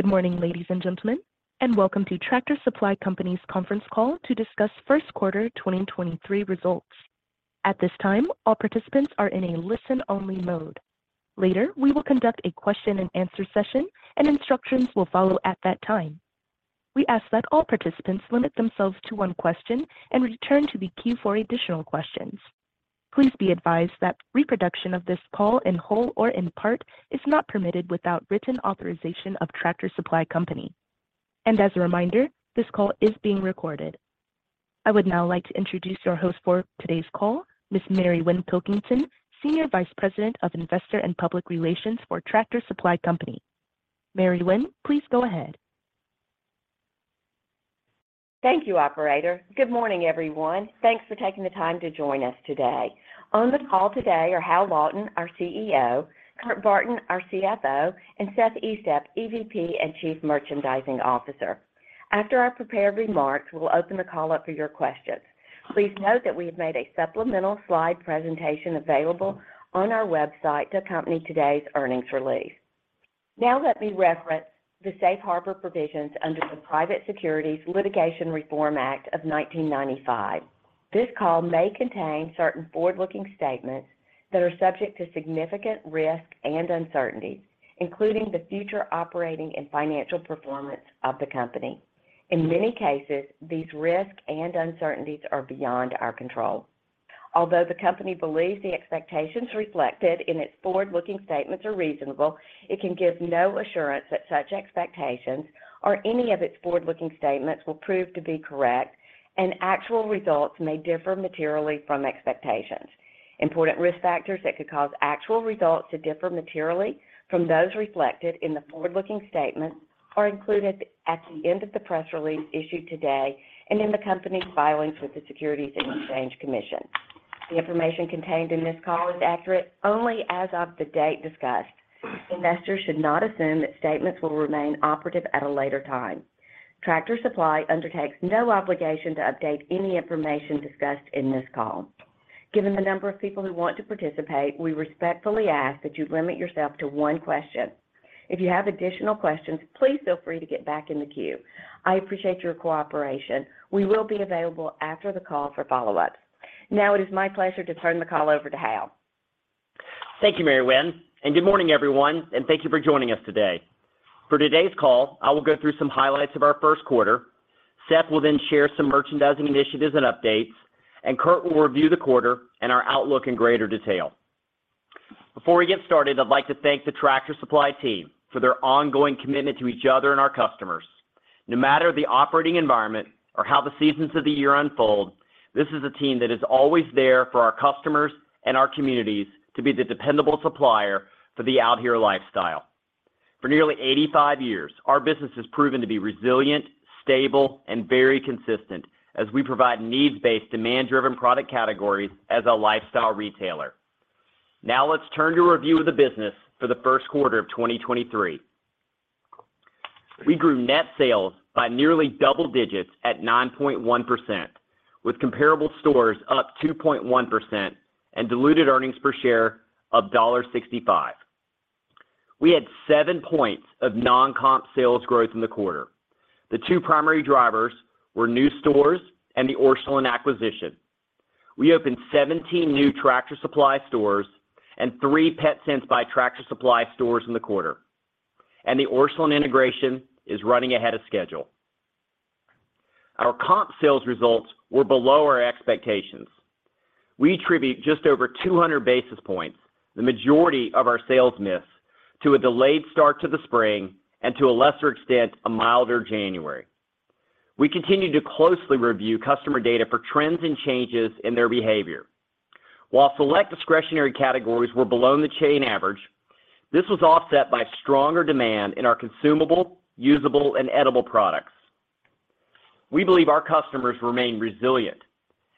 Good morning, ladies and gentlemen, welcome to Tractor Supply Company's conference call to discuss first quarter 2023 results. At this time, all participants are in a listen-only mode. Later, we will conduct a question-and-answer session, instructions will follow at that time. We ask that all participants limit themselves to one question and return to the queue for additional questions. Please be advised that reproduction of this call in whole or in part is not permitted without written authorization of Tractor Supply Company. As a reminder, this call is being recorded. I would now like to introduce your host for today's call, Ms. Mary Winn Pilkington, Senior Vice President of Investor and Public Relations for Tractor Supply Company. Mary Winn, please go ahead. Thank you, operator. Good morning, everyone. Thanks for taking the time to join us today. On the call today are Hal Lawton, our CEO, Kurt Barton, our CFO, and Seth Estep, EVP and Chief Merchandising Officer. After our prepared remarks, we'll open the call up for your questions. Please note that we have made a supplemental slide presentation available on our website to accompany today's earnings release. Let me reference the Safe Harbor provisions under the Private Securities Litigation Reform Act of 1995. This call may contain certain forward-looking statements that are subject to significant risk and uncertainty, including the future operating and financial performance of the company. In many cases, these risks and uncertainties are beyond our control. Although the company believes the expectations reflected in its forward-looking statements are reasonable, it can give no assurance that such expectations or any of its forward-looking statements will prove to be correct and actual results may differ materially from expectations. Important risk factors that could cause actual results to differ materially from those reflected in the forward-looking statements are included at the end of the press release issued today and in the company's filings with the Securities and Exchange Commission. The information contained in this call is accurate only as of the date discussed. Investors should not assume that statements will remain operative at a later time. Tractor Supply undertakes no obligation to update any information discussed in this call. Given the number of people who want to participate, we respectfully ask that you limit yourself to one question. If you have additional questions, please feel free to get back in the queue. I appreciate your cooperation. We will be available after the call for follow-ups. It is my pleasure to turn the call over to Hal. Thank you, Mary Winn, good morning, everyone, thank you for joining us today. For today's call, I will go through some highlights of our first quarter. Seth will then share some merchandising initiatives and updates, Kurt will review the quarter and our outlook in greater detail. Before we get started, I'd like to thank the Tractor Supply team for their ongoing commitment to each other and our customers. No matter the operating environment or how the seasons of the year unfold, this is a team that is always there for our customers and our communities to be the dependable supplier for the out here lifestyle. For nearly 85 years, our business has proven to be resilient, stable and very consistent as we provide needs-based, demand-driven product categories as a lifestyle retailer. Now let's turn to a review of the business for the first quarter of 2023. We grew net sales by nearly double digits at 9.1%, with comparable stores up 2.1% and diluted earnings per share of $1.65. We had 7 points of non-comp sales growth in the quarter. The two primary drivers were new stores and the Orscheln acquisition. We opened 17 new Tractor Supply stores and three Petsense by Tractor Supply stores in the quarter. The Orscheln integration is running ahead of schedule. Our comp sales results were below our expectations. We attribute just over 200 basis points, the majority of our sales miss, to a delayed start to the spring and to a lesser extent, a milder January. We continue to closely review customer data for trends and changes in their behavior. While select discretionary categories were below the chain average, this was offset by stronger demand in our consumable, usable and edible products. We believe our customers remain resilient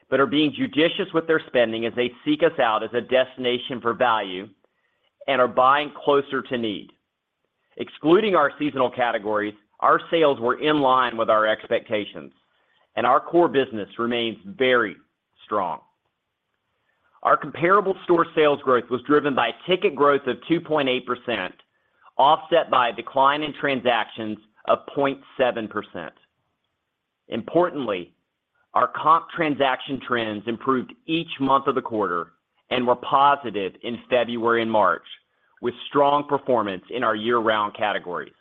but are being judicious with their spending as they seek us out as a destination for value and are buying closer to need. Excluding our seasonal categories, our sales were in line with our expectations and our core business remains very strong. Our comparable store sales growth was driven by ticket growth of 2.8%, offset by a decline in transactions of 0.7%. Importantly, our comp transaction trends improved each month of the quarter and were positive in February and March, with strong performance in our year-round categories.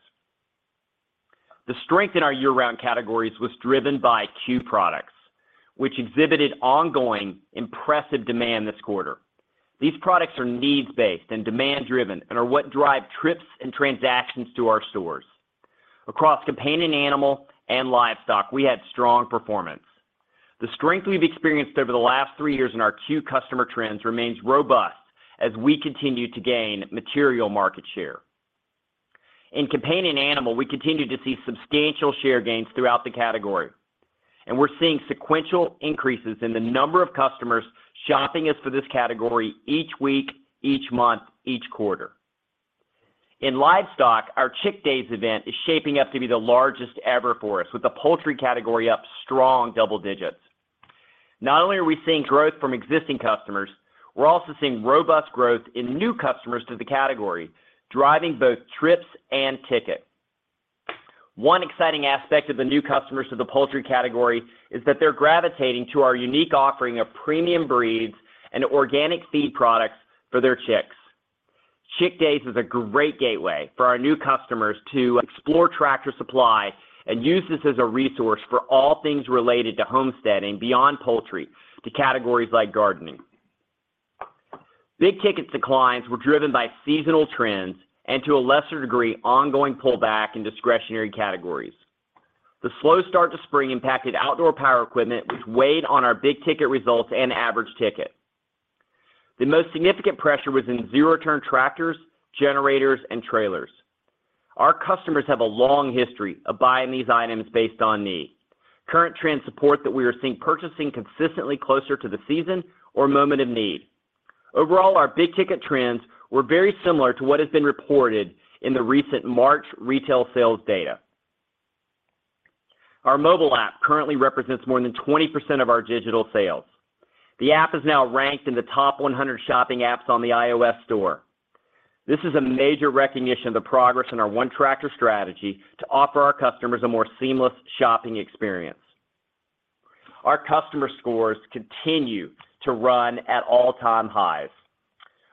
The strength in our year-round categories was driven by CUE products, which exhibited ongoing impressive demand this quarter. These products are needs-based and demand-driven and are what drive trips and transactions to our stores. Across companion animal and livestock, we had strong performance. The strength we've experienced over the last three years in our CUE customer trends remains robust as we continue to gain material market share. In companion animal, we continue to see substantial share gains throughout the category, and we're seeing sequential increases in the number of customers shopping us for this category each week, each month, each quarter. In livestock, our Chick Days event is shaping up to be the largest ever for us, with the poultry category up strong double digits. Not only are we seeing growth from existing customers, we're also seeing robust growth in new customers to the category, driving both trips and ticket. One exciting aspect of the new customers to the poultry category is that they're gravitating to our unique offering of premium breeds and organic feed products for their chicks. Chick Days is a great gateway for our new customers to explore Tractor Supply and use this as a resource for all things related to homesteading beyond poultry to categories like gardening. Big Ticket declines were driven by seasonal trends and to a lesser degree, ongoing pullback in discretionary categories. The slow start to spring impacted outdoor power equipment, which weighed on our big ticket results and average ticket. The most significant pressure was in zero turn tractors, generators, and trailers. Our customers have a long history of buying these items based on need. Current trends support that we are seeing purchasing consistently closer to the season or moment of need. Overall, our big ticket trends were very similar to what has been reported in the recent March retail sales data. Our mobile app currently represents more than 20% of our digital sales. The app is now ranked in the top 100 shopping apps on the iOS store. This is a major recognition of the progress in our ONETractor strategy to offer our customers a more seamless shopping experience. Our customer scores continue to run at all-time highs.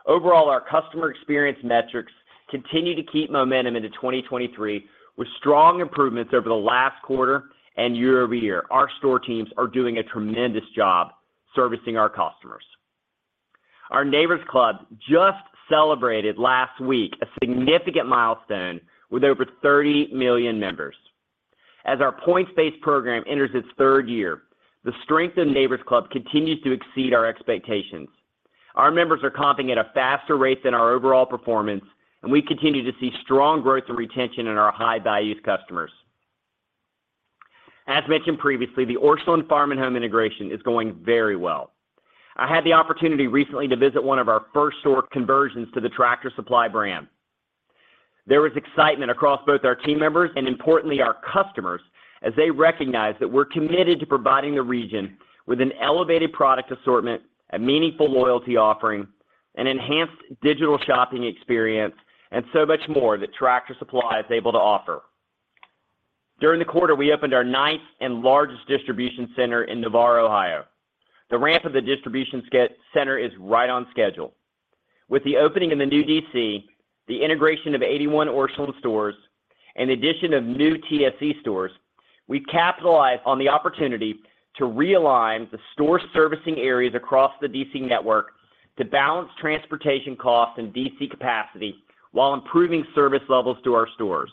Overall, our customer experience metrics continue to keep momentum into 2023 with strong improvements over the last quarter and year-over-year. Our store teams are doing a tremendous job servicing our customers. Our Neighbor's Club just celebrated last week a significant milestone with over 30 million members. As our points-based program enters its third year, the strength in Neighbor's Club continues to exceed our expectations. Our members are comping at a faster rate than our overall performance, and we continue to see strong growth and retention in our high-value customers. As mentioned previously, the Orscheln Farm and Home integration is going very well. I had the opportunity recently to visit one of our first store conversions to the Tractor Supply brand. There was excitement across both our team members and importantly, our customers as they recognize that we're committed to providing the region with an elevated product assortment, a meaningful loyalty offering, an enhanced digital shopping experience, and so much more that Tractor Supply is able to offer. During the quarter, we opened our ninth and largest distribution center in Navarre, Ohio. The ramp of the distribution center is right on schedule. With the opening in the new DC, the integration of 81 Orscheln stores, and addition of new TSC stores, we capitalize on the opportunity to realign the store servicing areas across the DC network to balance transportation costs and DC capacity while improving service levels to our stores.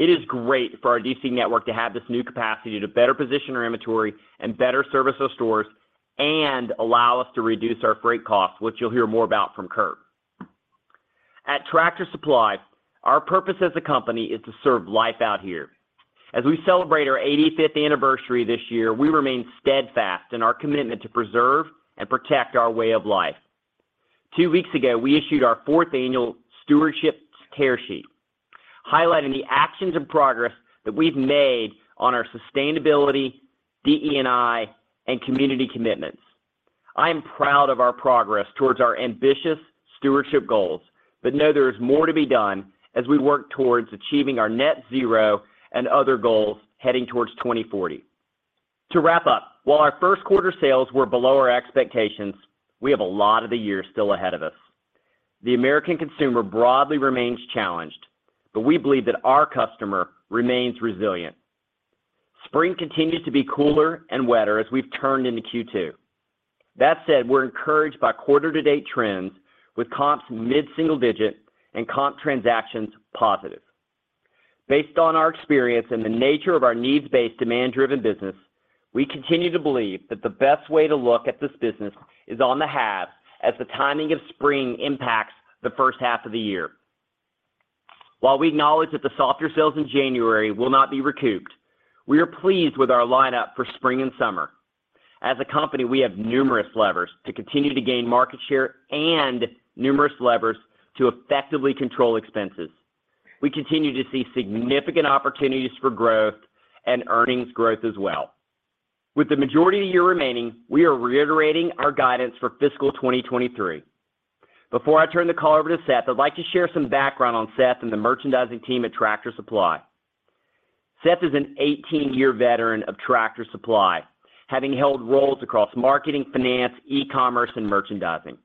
It is great for our DC network to have this new capacity to better position our inventory and better service those stores and allow us to reduce our freight costs, which you'll hear more about from Kurt. At Tractor Supply, our purpose as a company is to serve Life Out Here. As we celebrate our 85th anniversary this year, we remain steadfast in our commitment to preserve and protect our way of life. Two weeks ago, we issued our Fourth Annual Stewardship Tear Sheet, highlighting the actions and progress that we've made on our sustainability, DE&I, and community commitments. I am proud of our progress towards our ambitious stewardship goals, but know there is more to be done as we work towards achieving our net zero and other goals heading towards 2040. To wrap up, while our first quarter sales were below our expectations, we have a lot of the year still ahead of us. The American consumer broadly remains challenged, but we believe that our customer remains resilient. Spring continues to be cooler and wetter as we've turned into Q2. That said, we're encouraged by quarter-to-date trends with comps mid-single digit and comp transactions positive. Based on our experience and the nature of our needs-based, demand-driven business, we continue to believe that the best way to look at this business is on the halve as the timing of spring impacts the first half of the year. While we acknowledge that the softer sales in January will not be recouped, we are pleased with our lineup for spring and summer. As a company, we have numerous levers to continue to gain market share and numerous levers to effectively control expenses. We continue to see significant opportunities for growth and earnings growth as well. With the majority of the year remaining, we are reiterating our guidance for fiscal 2023. Before I turn the call over to Seth, I'd like to share some background on Seth and the merchandising team at Tractor Supply. Seth is an 18-year veteran of Tractor Supply, having held roles across marketing, finance, e-commerce, and merchandising.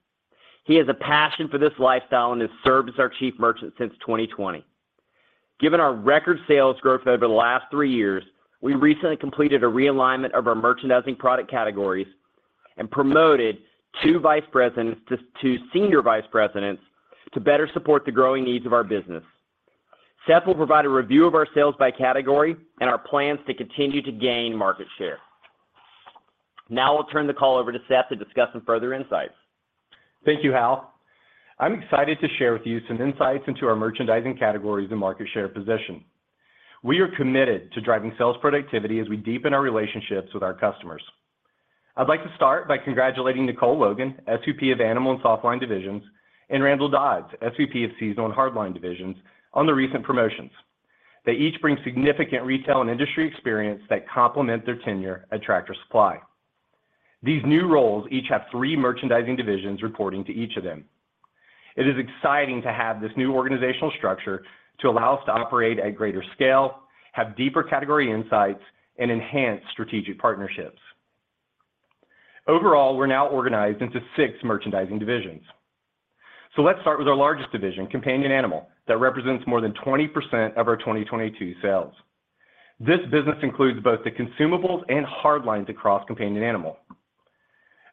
He has a passion for this lifestyle and has served as our chief merchant since 2020. Given our record sales growth over the last three years, we recently completed a realignment of our merchandising product categories and promoted two vice presidents to two senior vice presidents to better support the growing needs of our business. Seth will provide a review of our sales by category and our plans to continue to gain market share. Now I'll turn the call over to Seth to discuss some further insights. Thank you, Hal. I'm excited to share with you some insights into our merchandising categories and market share position. We are committed to driving sales productivity as we deepen our relationships with our customers. I'd like to start by congratulating Nicole Logan, SVP of Animal and Softline divisions, and Randall Dodds, SVP of Seasonal and Hardline divisions, on the recent promotions. They each bring significant retail and industry experience that complement their tenure at Tractor Supply. These new roles each have three merchandising divisions reporting to each of them. It is exciting to have this new organizational structure to allow us to operate at greater scale, have deeper category insights, and enhance strategic partnerships. Overall, we're now organized into six merchandising divisions. Let's start with our largest division, Companion Animal, that represents more than 20% of our 2022 sales. This business includes both the consumables and hard lines across companion animal.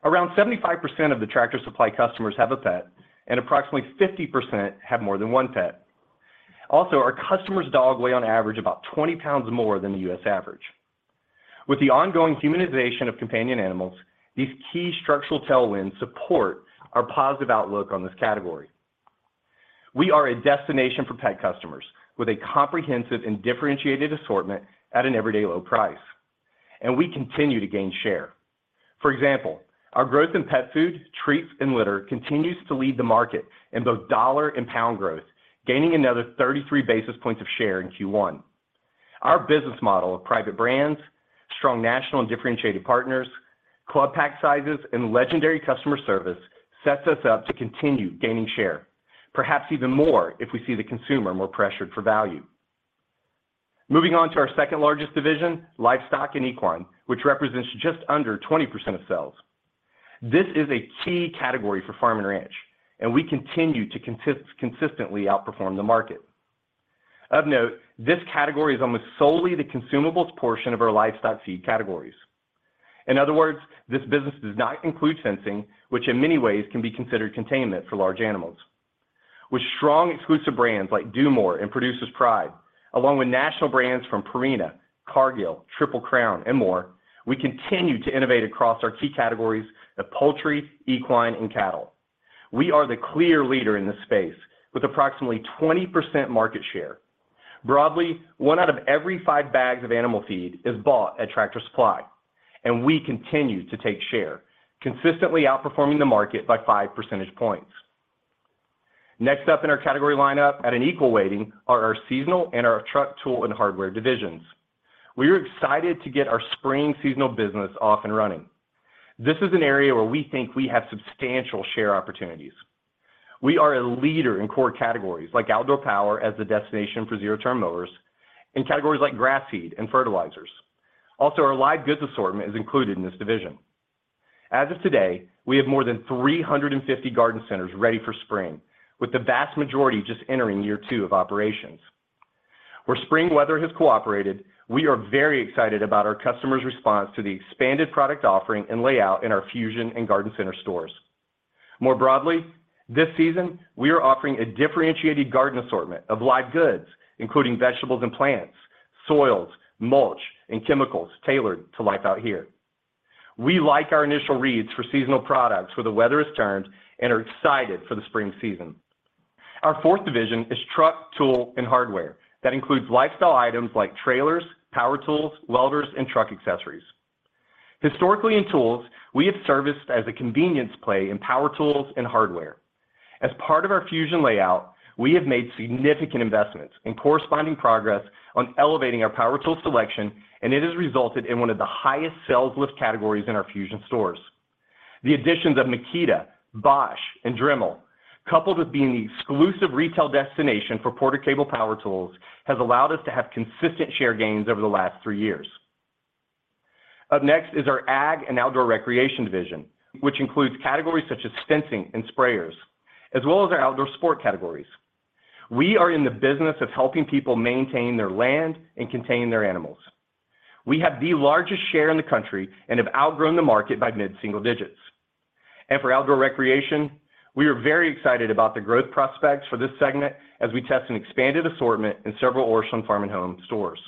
Around 75% of the Tractor Supply customers have a pet. Approximately 50% have more than one pet. Our customers' dogs weigh on average about 20 pounds more than the U.S. average. With the ongoing humanization of companion animals, these key structural tailwinds support our positive outlook on this category. We are a destination for pet customers with a comprehensive and differentiated assortment at an everyday low price. We continue to gain share. Our growth in pet food, treats, and litter continues to lead the market in both dollar and pound growth, gaining another 33 basis points of share in Q1. Our business model of private brands, strong national and differentiated partners, club pack sizes, and legendary customer service sets us up to continue gaining share, perhaps even more if we see the consumer more pressured for value. Moving on to our second-largest division, Livestock & Equine, which represents just under 20% of sales. This is a key category for Farm and Ranch, and we continue to consistently outperform the market. Of note, this category is almost solely the consumables portion of our livestock feed categories. In other words, this business does not include fencing, which in many ways can be considered containment for large animals. With strong exclusive brands like DuMOR and Producer's Pride, along with national brands from Purina, Cargill, Triple Crown, and more, we continue to innovate across our key categories of poultry, equine, and cattle. We are the clear leader in this space with approximately 20% market share. Broadly, one out of every five bags of animal feed is bought at Tractor Supply, and we continue to take share, consistently outperforming the market by 5 percentage points. Next up in our category lineup at an equal weighting are our Seasonal and our Truck, Tool & Hardware divisions. We are excited to get our spring seasonal business off and running. This is an area where we think we have substantial share opportunities. We are a leader in core categories like outdoor power as the destination for zero turn mowers and categories like grass seed and fertilizers. Our live goods assortment is included in this division. As of today, we have more than 350 garden centers ready for spring, with the vast majority just entering year two of operations. Where spring weather has cooperated, we are very excited about our customers' response to the expanded product offering and layout in our Fusion and Garden Center stores. More broadly, this season, we are offering a differentiated garden assortment of live goods, including vegetables and plants, soils, mulch, and chemicals tailored to Life Out Here. We like our initial reads for seasonal products where the weather has turned and are excited for the spring season. Our fourth division is Truck, Tool & Hardware. It includes lifestyle items like trailers, power tools, welders, and truck accessories. Historically, in tools, we have serviced as a convenience play in power tools and hardware. As part of our Fusion layout, we have made significant investments and corresponding progress on elevating our power tool selection, and it has resulted in one of the highest sales lift categories in our Fusion stores. The additions of Makita, Bosch, and Dremel, coupled with being the exclusive retail destination for PORTER-CABLE power tools, has allowed us to have consistent share gains over the last three years. Up next is our Ag and Outdoor Recreation division, which includes categories such as fencing and sprayers, as well as our outdoor sport categories. We are in the business of helping people maintain their land and contain their animals. We have the largest share in the country and have outgrown the market by mid-single digits. For outdoor recreation, we are very excited about the growth prospects for this segment as we test an expanded assortment in several Orscheln Farm and Home stores.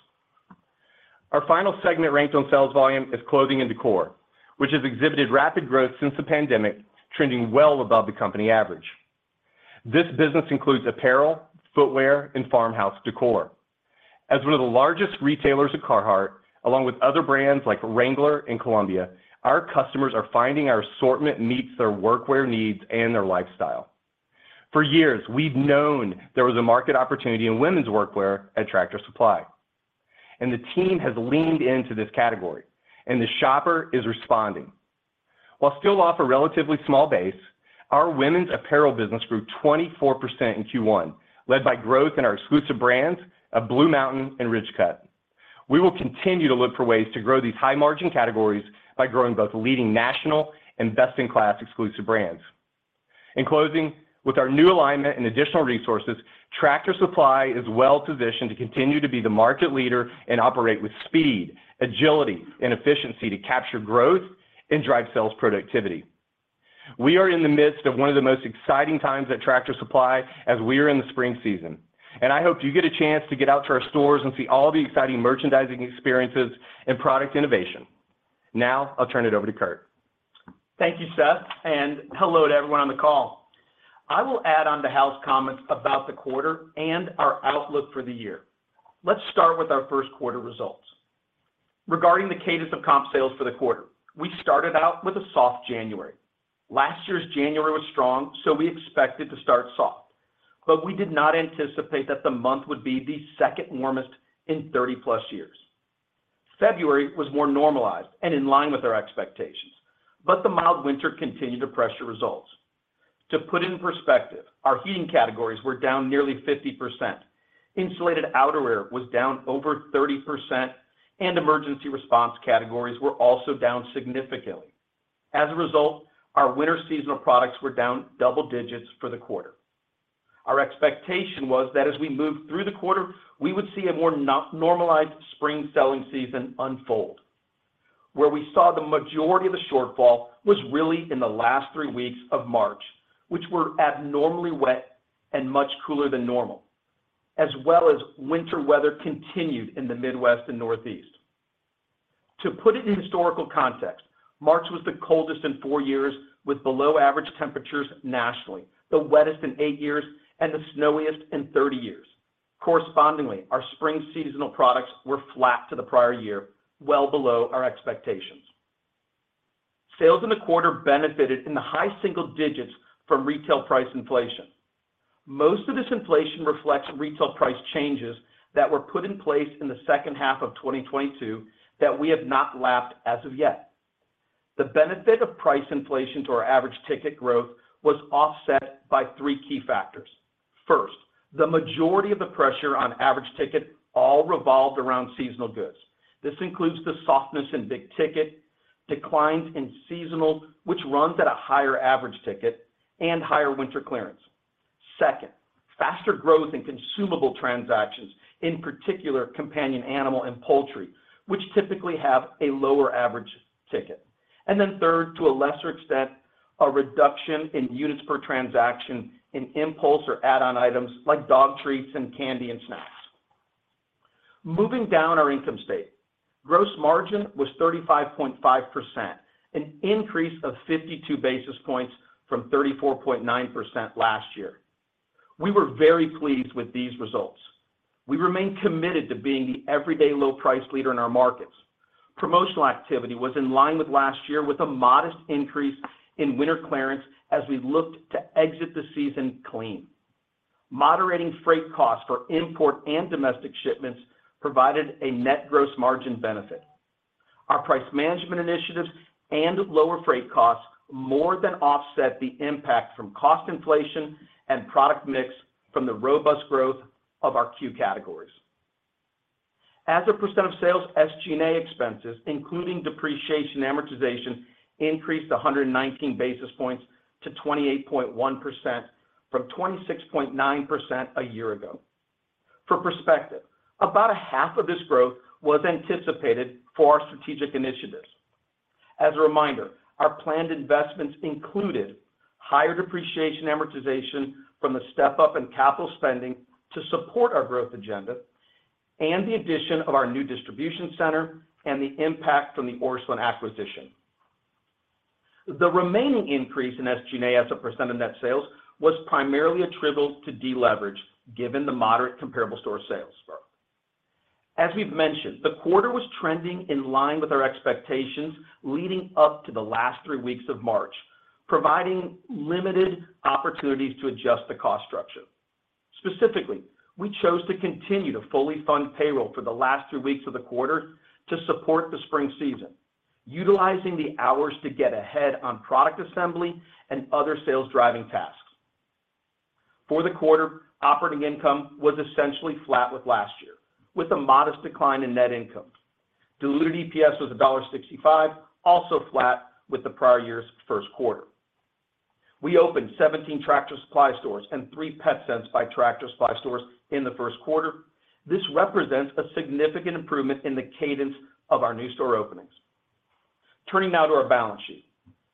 Our final segment ranked on sales volume is Clothing and Decor, which has exhibited rapid growth since the pandemic, trending well above the company average. This business includes apparel, footwear, and farmhouse decor. As one of the largest retailers of Carhartt, along with other brands like Wrangler and Columbia, our customers are finding our assortment meets their workwear needs and their lifestyle. For years, we've known there was a market opportunity in women's workwear at Tractor Supply, and the team has leaned into this category, and the shopper is responding. While still off a relatively small base, our women's apparel business grew 24% in Q1, led by growth in our exclusive brands of Blue Mountain and Ridgecut. We will continue to look for ways to grow these high-margin categories by growing both leading national and best-in-class exclusive brands. In closing, with our new alignment and additional resources, Tractor Supply is well-positioned to continue to be the market leader and operate with speed, agility, and efficiency to capture growth and drive sales productivity. We are in the midst of one of the most exciting times at Tractor Supply as we are in the spring season. I hope you get a chance to get out to our stores and see all the exciting merchandising experiences and product innovation. I'll turn it over to Kurt. Thank you, Seth, and hello to everyone on the call. I will add on to Hal's comments about the quarter and our outlook for the year. Let's start with our first quarter results. Regarding the cadence of comp sales for the quarter, we started out with a soft January. Last year's January was strong, so we expected to start soft, but we did not anticipate that the month would be the second warmest in 30+ years. February was more normalized and in line with our expectations. The mild winter continued to pressure results. To put it in perspective, our heating categories were down nearly 50%. Insulated outerwear was down over 30%, and emergency response categories were also down significantly. As a result, our winter seasonal products were down double digits for the quarter. Our expectation was that as we moved through the quarter, we would see a more normalized spring selling season unfold. Where we saw the majority of the shortfall was really in the last three weeks of March, which were abnormally wet and much cooler than normal, as well as winter weather continued in the Midwest and Northeast. To put it in historical context, March was the coldest in four years with below average temperatures nationally, the wettest in eight years, and the snowiest in 30 years. Correspondingly, our spring seasonal products were flat to the prior year, well below our expectations. Sales in the quarter benefited in the high single digits from retail price inflation. Most of this inflation reflects retail price changes that were put in place in the second half of 2022 that we have not lapped as of yet. The benefit of price inflation to our average ticket growth was offset by three key factors. First, the majority of the pressure on average ticket all revolved around seasonal goods. This includes the softness in big ticket, declines in seasonal, which runs at a higher average ticket, and higher winter clearance. Second, faster growth in consumable transactions, in particular companion animal and poultry, which typically have a lower average ticket. Third, to a lesser extent, a reduction in units per transaction in impulse or add-on items like dog treats and candy and snacks. Moving down our income statement, gross margin was 35.5%, an increase of 52 basis points from 34.9% last year. We were very pleased with these results. We remain committed to being the everyday low price leader in our markets. Promotional activity was in line with last year with a modest increase in winter clearance as we looked to exit the season clean. Moderating freight costs for import and domestic shipments provided a net gross margin benefit. Our price management initiatives and lower freight costs more than offset the impact from cost inflation and product mix from the robust growth of our C.U.E. categories. As a percent of sales, SG&A expenses, including depreciation and amortization, increased 119 basis points to 28.1% from 26.9% a year ago. For perspective, about a half of this growth was anticipated for our strategic initiatives. As a reminder, our planned investments included higher depreciation and amortization from the step-up in capital spending to support our growth agenda and the addition of our new distribution center and the impact from the Orscheln acquisition. The remaining increase in SG&A as a percent of net sales was primarily attributable to deleverage given the moderate comparable store sales growth. As we've mentioned, the quarter was trending in line with our expectations leading up to the last three weeks of March, providing limited opportunities to adjust the cost structure. Specifically, we chose to continue to fully fund payroll for the last three weeks of the quarter to support the spring season, utilizing the hours to get ahead on product assembly and other sales-driving tasks. For the quarter, operating income was essentially flat with last year, with a modest decline in net income. Diluted EPS was $1.65, also flat with the prior year's first quarter. We opened 17 Tractor Supply stores and three Petsense by Tractor Supply stores in the first quarter. This represents a significant improvement in the cadence of our new store openings. Turning now to our balance sheet.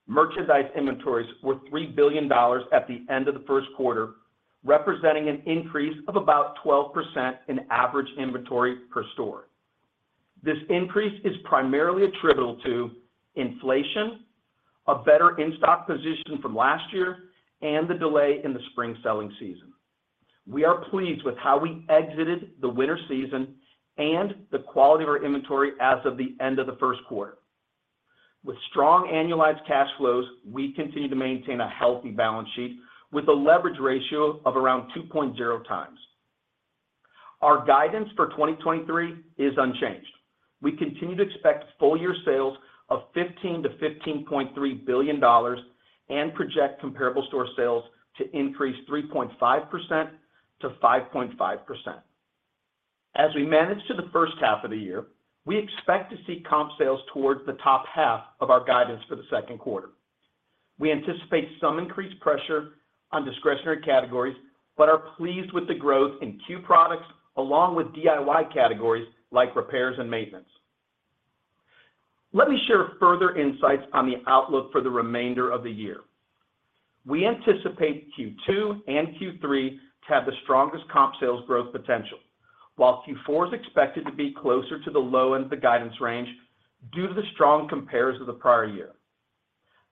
Merchandise inventories were $3 billion at the end of the first quarter, representing an increase of about 12% in average inventory per store. This increase is primarily attributable to inflation, a better in-stock position from last year, and the delay in the spring selling season. We are pleased with how we exited the winter season and the quality of our inventory as of the end of the first quarter. With strong annualized cash flows, we continue to maintain a healthy balance sheet with a leverage ratio of around 2.0x. Our guidance for 2023 is unchanged. We continue to expect full year sales of $15 billion-$15.3 billion and project comparable store sales to increase 3.5%-5.5%. As we manage to the first half of the year, we expect to see comp sales towards the top half of our guidance for the second quarter. Are pleased with the growth in C.U.E. products along with DIY categories like repairs and maintenance. Let me share further insights on the outlook for the remainder of the year. We anticipate Q2 and Q3 to have the strongest comp sales growth potential, while Q4 is expected to be closer to the low end of the guidance range due to the strong compares of the prior year.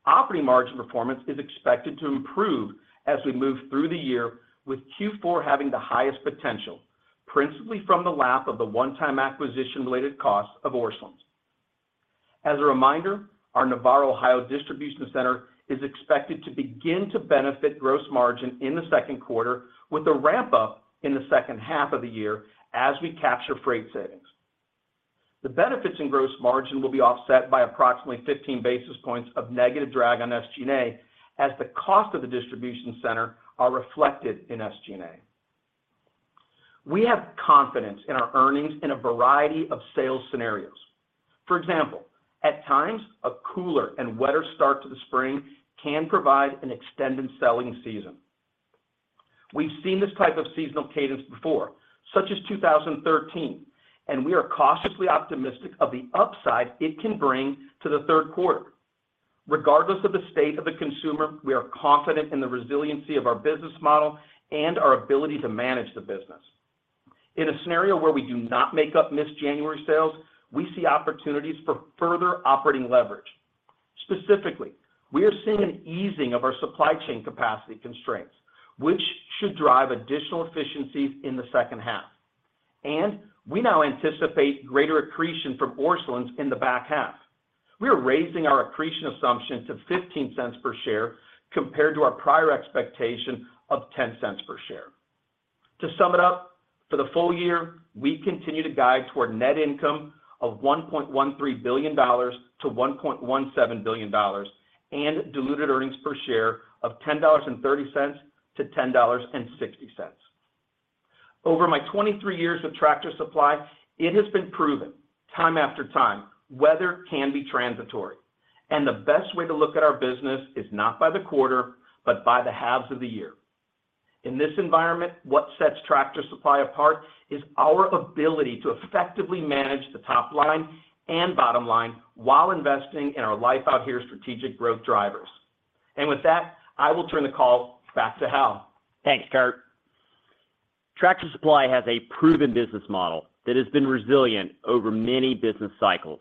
Operating margin performance is expected to improve as we move through the year, with Q4 having the highest potential, principally from the lap of the one-time acquisition-related costs of Orscheln. As a reminder, our Navarre, Ohio distribution center is expected to begin to benefit gross margin in the second quarter with a ramp-up in the second half of the year as we capture freight savings. The benefits in gross margin will be offset by approximately 15 basis points of negative drag on SG&A as the cost of the distribution center are reflected in SG&A. We have confidence in our earnings in a variety of sales scenarios. For example, at times, a cooler and wetter start to the spring can provide an extended selling season. We've seen this type of seasonal cadence before, such as 2013. We are cautiously optimistic of the upside it can bring to the third quarter. Regardless of the state of the consumer, we are confident in the resiliency of our business model and our ability to manage the business. In a scenario where we do not make up missed January sales, we see opportunities for further operating leverage. Specifically, we are seeing an easing of our supply chain capacity constraints, which should drive additional efficiencies in the second half. We now anticipate greater accretion from Orscheln in the back half. We are raising our accretion assumption to $0.15 per share compared to our prior expectation of $0.10 per share. To sum it up, for the full year, we continue to guide toward net income of $1.13 billion-$1.17 billion and diluted earnings per share of $10.30-$10.60. Over my 23 years with Tractor Supply, it has been proven time after time, weather can be transitory, and the best way to look at our business is not by the quarter but by the halves of the year. In this environment, what sets Tractor Supply apart is our ability to effectively manage the top line and bottom line while investing in our Life Out Here strategic growth drivers. With that, I will turn the call back to Hal. Thanks, Kurt. Tractor Supply has a proven business model that has been resilient over many business cycles.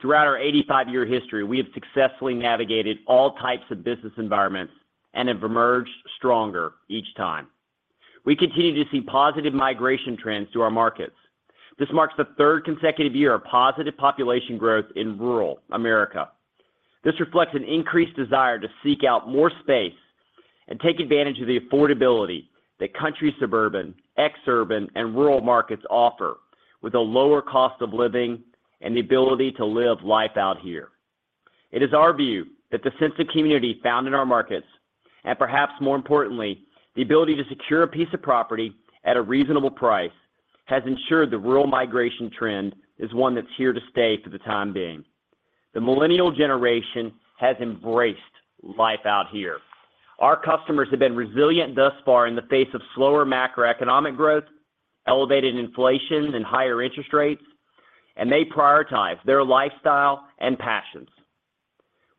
Throughout our 85-year history, we have successfully navigated all types of business environments and have emerged stronger each time. We continue to see positive migration trends to our markets. This marks the third consecutive year of positive population growth in rural America. This reflects an increased desire to seek out more space and take advantage of the affordability that country suburban, ex-urban, and rural markets offer, with a lower cost of living and the ability to live Life Out Here. It is our view that the sense of community found in our markets, and perhaps more importantly, the ability to secure a piece of property at a reasonable price, has ensured the rural migration trend is one that's here to stay for the time being. The millennial generation has embraced Life Out Here. Our customers have been resilient thus far in the face of slower macroeconomic growth, elevated inflation and higher interest rates. They prioritize their lifestyle and passions.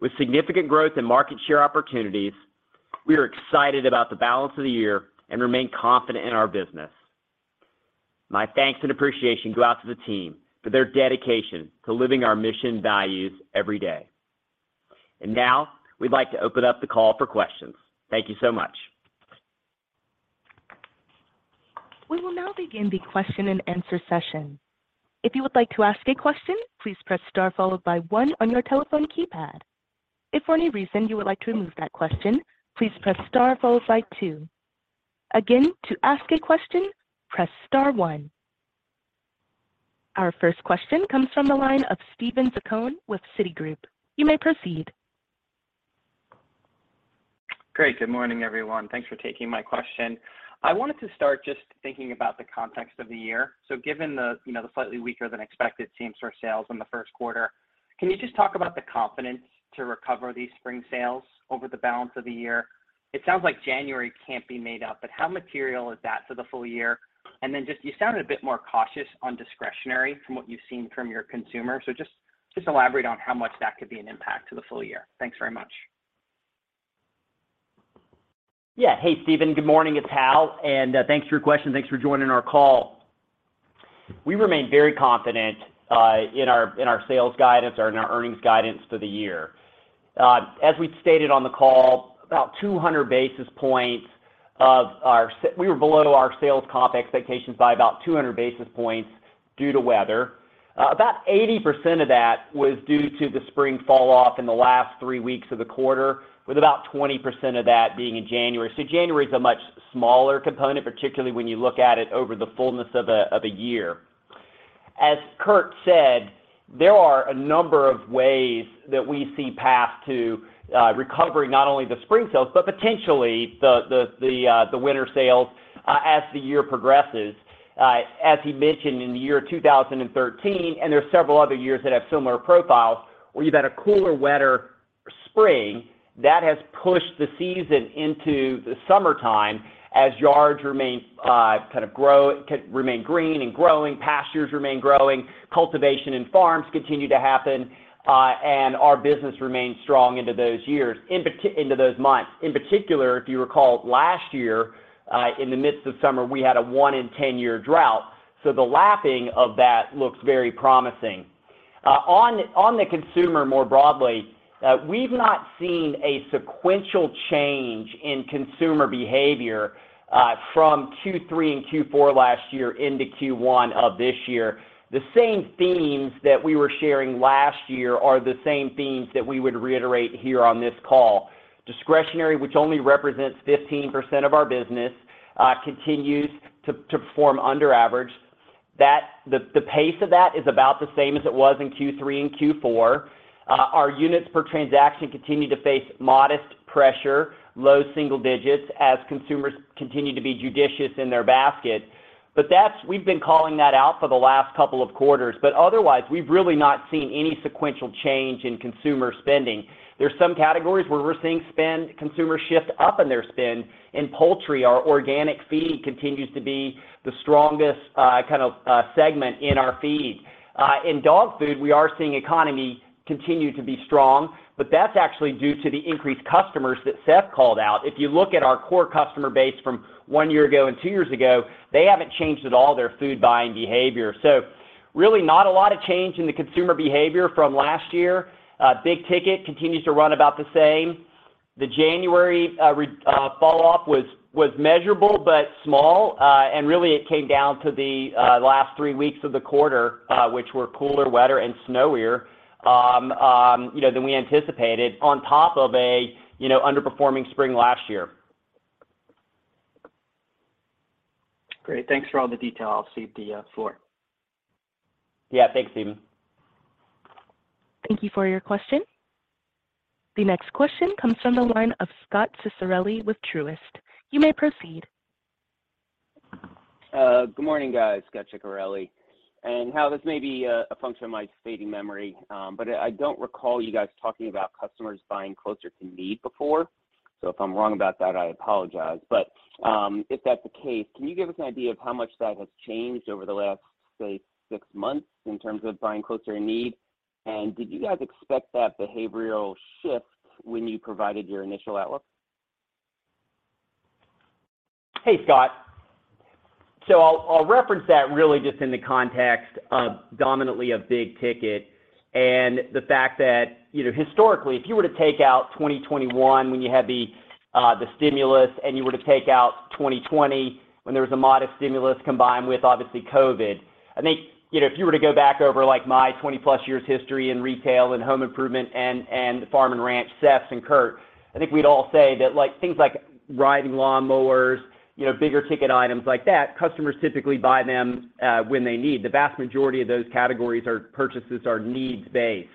With significant growth in market share opportunities, we are excited about the balance of the year and remain confident in our business. My thanks and appreciation go out to the team for their dedication to living our mission values every day. Now we'd like to open up the call for questions. Thank you so much. We will now begin the question-and-answer session. If you would like to ask a question, please press star followed by one on your telephone keypad. If for any reason you would like to remove that question, please press star followed by two. Again, to ask a question, press star one. Our first question comes from the line of Steven Zaccone with Citigroup. You may proceed. Great. Good morning, everyone. Thanks for taking my question. I wanted to start just thinking about the context of the year. Given the, you know, the slightly weaker than expected same-store sales in the first quarter, can you just talk about the confidence to recover these spring sales over the balance of the year? It sounds like January can't be made up, but how material is that for the full year? Then just you sounded a bit more cautious on discretionary from what you've seen from your consumer. Just elaborate on how much that could be an impact to the full year. Thanks very much. Yeah. Hey, Steven. Good morning. It's Hal. Thanks for your question. Thanks for joining our call. We remain very confident in our, in our sales guidance or in our earnings guidance for the year. As we stated on the call, about 200 basis points we were below our sales comp expectations by about 200 basis points due to weather. About 80% of that was due to the spring fall off in the last 3 weeks of the quarter, with about 20% of that being in January. January is a much smaller component, particularly when you look at it over the fullness of a, of a year. As Kurt said, there are a number of ways that we see path to recovering not only the spring sales, but potentially the winter sales as the year progresses. As he mentioned in the year 2013, and there are several other years that have similar profiles, where you've had a cooler, wetter spring that has pushed the season into the summertime as yards remain green and growing, pastures remain growing, cultivation in farms continue to happen, and our business remains strong into those years, into those months. In particular, if you recall, last year, in the midst of summer, we had a 1 in 10-year drought. The lapping of that looks very promising. On the consumer more broadly, we've not seen a sequential change in consumer behavior from Q3 and Q4 last year into Q1 of this year. The same themes that we were sharing last year are the same themes that we would reiterate here on this call. Discretionary, which only represents 15% of our business, continues to perform under average. The pace of that is about the same as it was in Q3 and Q4. Our units per transaction continue to face modest pressure, low single digits, as consumers continue to be judicious in their basket. We've been calling that out for the last couple of quarters. Otherwise, we've really not seen any sequential change in consumer spending. There's some categories where we're seeing consumer shift up in their spend. In poultry, our organic feed continues to be the strongest segment in our feed. In dog food, we are seeing economy continue to be strong, but that's actually due to the increased customers that Seth called out. If you look at our core customer base from one year ago and two years ago, they haven't changed at all their food buying behavior. Really not a lot of change in the consumer behavior from last year. Big ticket continues to run about the same. The January falloff was measurable but small. Really, it came down to the last three weeks of the quarter, which were cooler, wetter, and snowier, you know, than we anticipated on top of a, you know, underperforming spring last year. Great. Thanks for all the detail. I'll cede the floor. Yeah, thanks, Steven. Thank you for your question. The next question comes from the line of Scot Ciccarelli with Truist. You may proceed. Good morning, guys. Scot Ciccarelli. Hal, this may be a function of my fading memory, but I don't recall you guys talking about customers buying closer to need before. If I'm wrong about that, I apologize. If that's the case, can you give us an idea of how much that has changed over the last, say, six months in terms of buying closer to need? Did you guys expect that behavioral shift when you provided your initial outlook? Hey, Scott. I'll reference that really just in the context of dominantly of big ticket and the fact that, you know, historically, if you were to take out 2021 when you had the stimulus and you were to take out 2020 when there was a modest stimulus combined with obviously COVID, I think, you know, if you were to go back over, like, my 20+ years history in retail and home improvement and farm and ranch, Seth and Kurt, I think we'd all say that, like, things like riding lawnmowers, you know, bigger ticket items like that, customers typically buy them when they need. The vast majority of those categories or purchases are needs-based.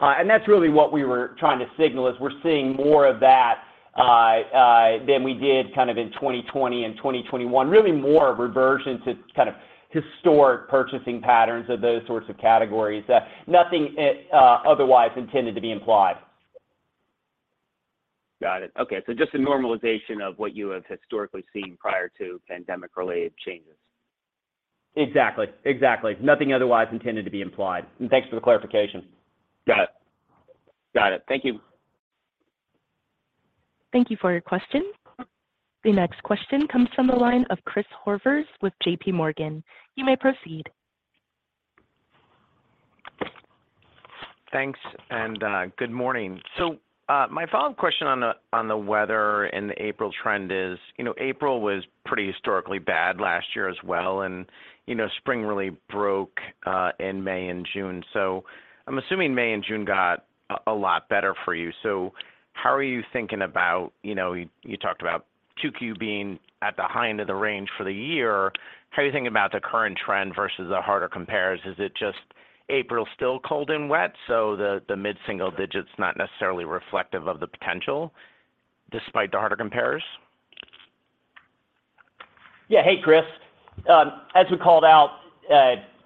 That's really what we were trying to signal is we're seeing more of that than we did kind of in 2020 and 2021. Really more of a reversion to kind of historic purchasing patterns of those sorts of categories. Nothing otherwise intended to be implied. Got it. Okay. Just a normalization of what you have historically seen prior to pandemic-related changes? Exactly. Nothing otherwise intended to be implied. Thanks for the clarification. Got it. Got it. Thank you. Thank you for your question. The next question comes from the line of Chris Horvers with JPMorgan. You may proceed. Thanks. Good morning. My follow-up question on the, on the weather and the April trend is, you know, April was pretty historically bad last year as well. You know, spring really broke in May and June. I'm assuming May and June got a lot better for you. How are you thinking about, you know, you talked about 2Q being at the high end of the range for the year. How are you thinking about the current trend versus the harder compares? Is it just April's still cold and wet, the mid-single digit's not necessarily reflective of the potential despite the harder compares? Yeah. Hey, Chris. As we called out,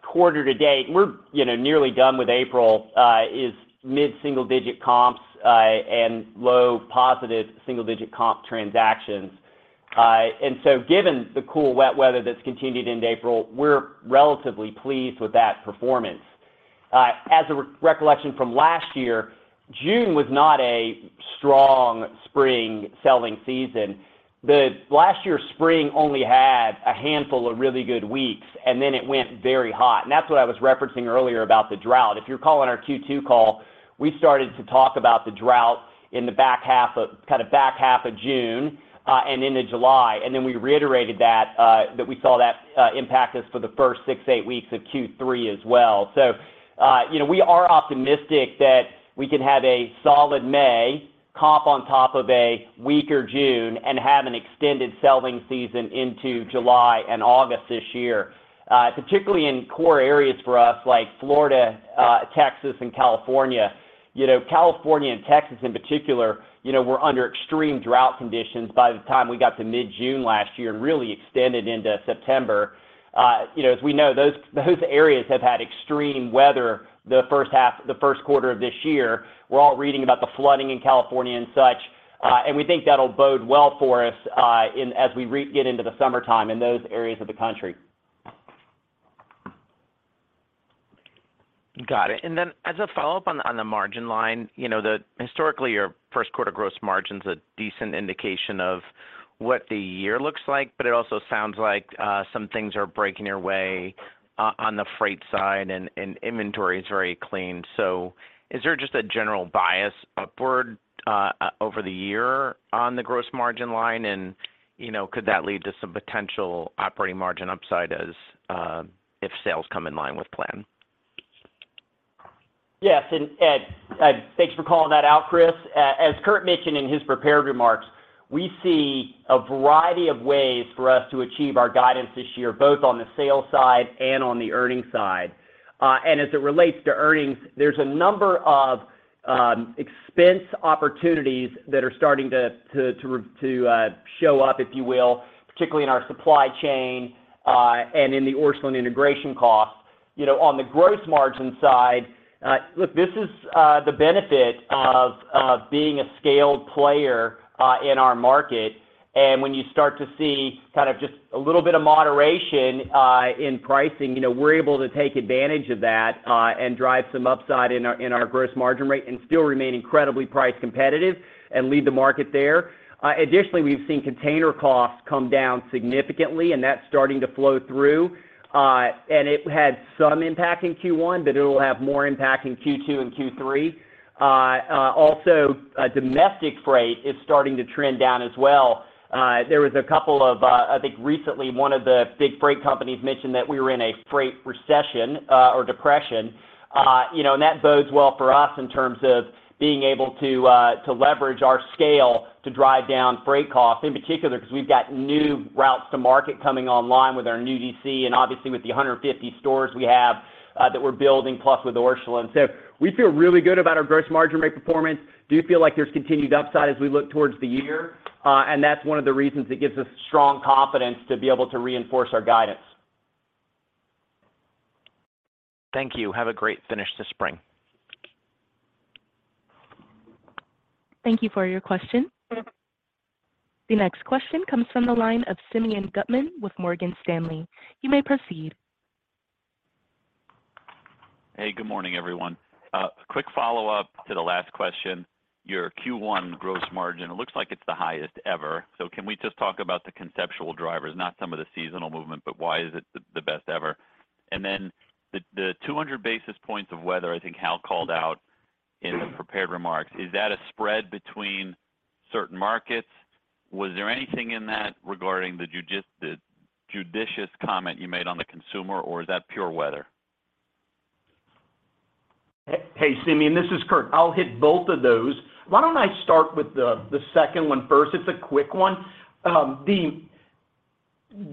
quarter to date, we're, you know, nearly done with April, is mid-single-digit comps and low positive single-digit comp transactions. Given the cool wet weather that's continued into April, we're relatively pleased with that performance. As a recollection from last year, June was not a strong spring selling season. Last year's spring only had a handful of really good weeks, and then it went very hot. That's what I was referencing earlier about the drought. If you recall on our Q2 call, we started to talk about the drought in the back half of June and into July. We reiterated that we saw that impact us for the first six, eight weeks of Q3 as well. You know, we are optimistic that we can have a solid May comp on top of a weaker June and have an extended selling season into July and August this year, particularly in core areas for us like Florida, Texas and California. You know, California and Texas in particular, you know, were under extreme drought conditions by the time we got to mid-June last year and really extended into September. You know, as we know, those areas have had extreme weather the first quarter of this year. We're all reading about the flooding in California and such, and we think that'll bode well for us as we get into the summertime in those areas of the country. Got it. As a follow-up on the margin line, you know, the historically your first quarter gross margin is a decent indication of what the year looks like. It also sounds like, some things are breaking your way on the freight side and inventory is very clean. Is there just a general bias upward, over the year on the gross margin line? You know, could that lead to some potential operating margin upside as, if sales come in line with plan? Yes. Thanks for calling that out, Chris. As Kurt mentioned in his prepared remarks, we see a variety of ways for us to achieve our guidance this year, both on the sales side and on the earnings side. As it relates to earnings, there's a number of expense opportunities that are starting to show up, if you will, particularly in our supply chain and in the Orscheln integration costs. You know, on the gross margin side, look, this is the benefit of being a scaled player in our market. When you start to see kind of just a little bit of moderation in pricing, you know, we're able to take advantage of that and drive some upside in our gross margin rate and still remain incredibly price competitive and lead the market there. Additionally, we've seen container costs come down significantly, and that's starting to flow through. It had some impact in Q1, but it will have more impact in Q2 and Q3. Also, domestic freight is starting to trend down as well. There was a couple of, I think recently one of the big freight companies mentioned that we were in a freight recession or depression. you know, that bodes well for us in terms of being able to leverage our scale to drive down freight costs, in particular because we've got new routes to market coming online with our new DC and obviously with the 150 stores we have that we're building plus with Orscheln. We feel really good about our gross margin rate performance. Do feel like there's continued upside as we look towards the year. That's one of the reasons it gives us strong confidence to be able to reinforce our guidance. Thank you. Have a great finish to spring. Thank you for your question. The next question comes from the line of Simeon Gutman with Morgan Stanley. You may proceed. Hey, good morning, everyone. Quick follow-up to the last question. Your Q1 gross margin, it looks like it's the highest ever. Can we just talk about the conceptual drivers, not some of the seasonal movement, but why is it the best ever? The 200 basis points of weather, I think Hal called out in the prepared remarks, is that a spread between certain markets? Was there anything in that regarding the judicious comment you made on the consumer, or is that pure weather? Hey, Simeon, this is Kurt. I'll hit both of those. Why don't I start with the second one first? It's a quick one. The,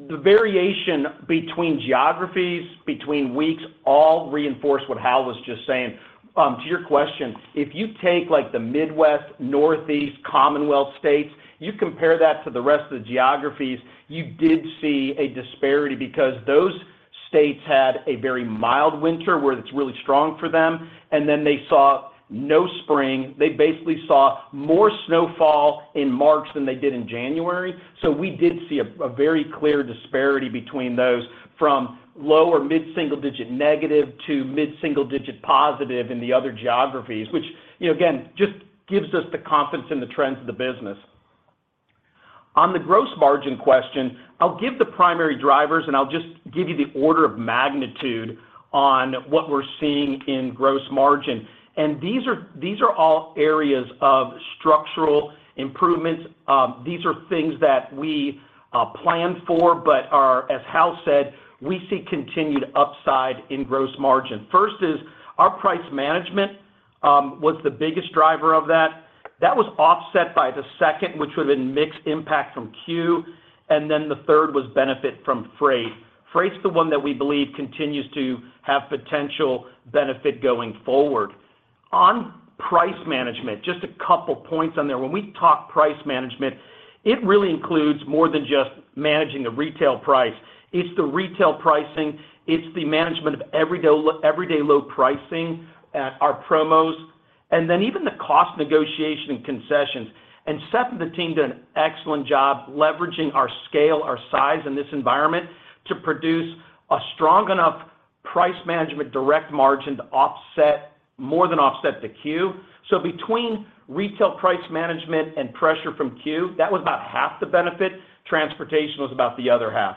the variation between geographies, between weeks all reinforce what Hal was just saying. To your question, if you take, like, the Midwest, Northeast, Commonwealth states, you compare that to the rest of the geographies, you did see a disparity because those states had a very mild winter where it's really strong for them, and then they saw no spring. They basically saw more snowfall in March than they did in January. We did see a very clear disparity between those from low or mid-single-digit negative to mid-single-digit positive in the other geographies, which, you know, again, just gives us the confidence in the trends of the business. On the gross margin question, I'll give the primary drivers, and I'll just give you the order of magnitude on what we're seeing in gross margin. These are all areas of structural improvements. These are things that we plan for, but are, as Hal said, we see continued upside in gross margin. First is our price management was the biggest driver of that. That was offset by the second, which would have been mixed impact from Q. The third was benefit from freight. Freight's the one that we believe continues to have potential benefit going forward. On price management, just a couple of points on there. When we talk price management, it really includes more than just managing the retail price. It's the retail pricing, it's the management of everyday low pricing, our promos, and then even the cost negotiation and concessions. Seth and the team did an excellent job leveraging our scale, our size in this environment to produce a strong enough price management direct margin to offset more than offset the CUE. Between retail price management and pressure from CUE, that was about half the benefit. Transportation was about the other half.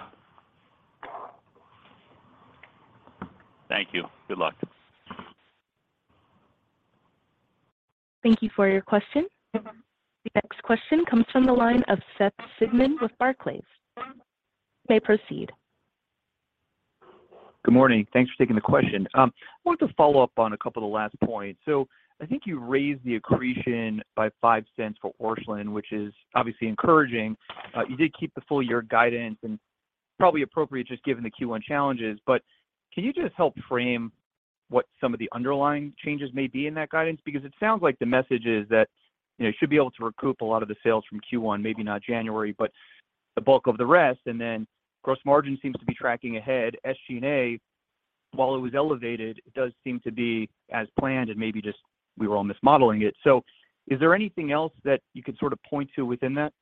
Thank you. Good luck. Thank you for your question. The next question comes from the line of Seth Sigman with Barclays. You may proceed. Good morning. Thanks for taking the question. I want to follow up on a couple of the last points. I think you raised the accretion by $0.05 for Orscheln, which is obviously encouraging. You did keep the full year guidance and probably appropriate just given the Q1 challenges. Can you just help frame what some of the underlying changes may be in that guidance? Because it sounds like the message is that, you know, you should be able to recoup a lot of the sales from Q1, maybe not January, but the bulk of the rest. Gross margin seems to be tracking ahead. SG&A, while it was elevated, it does seem to be as planned and maybe just we were all mismodeling it. Is there anything else that you could sort of point to within that?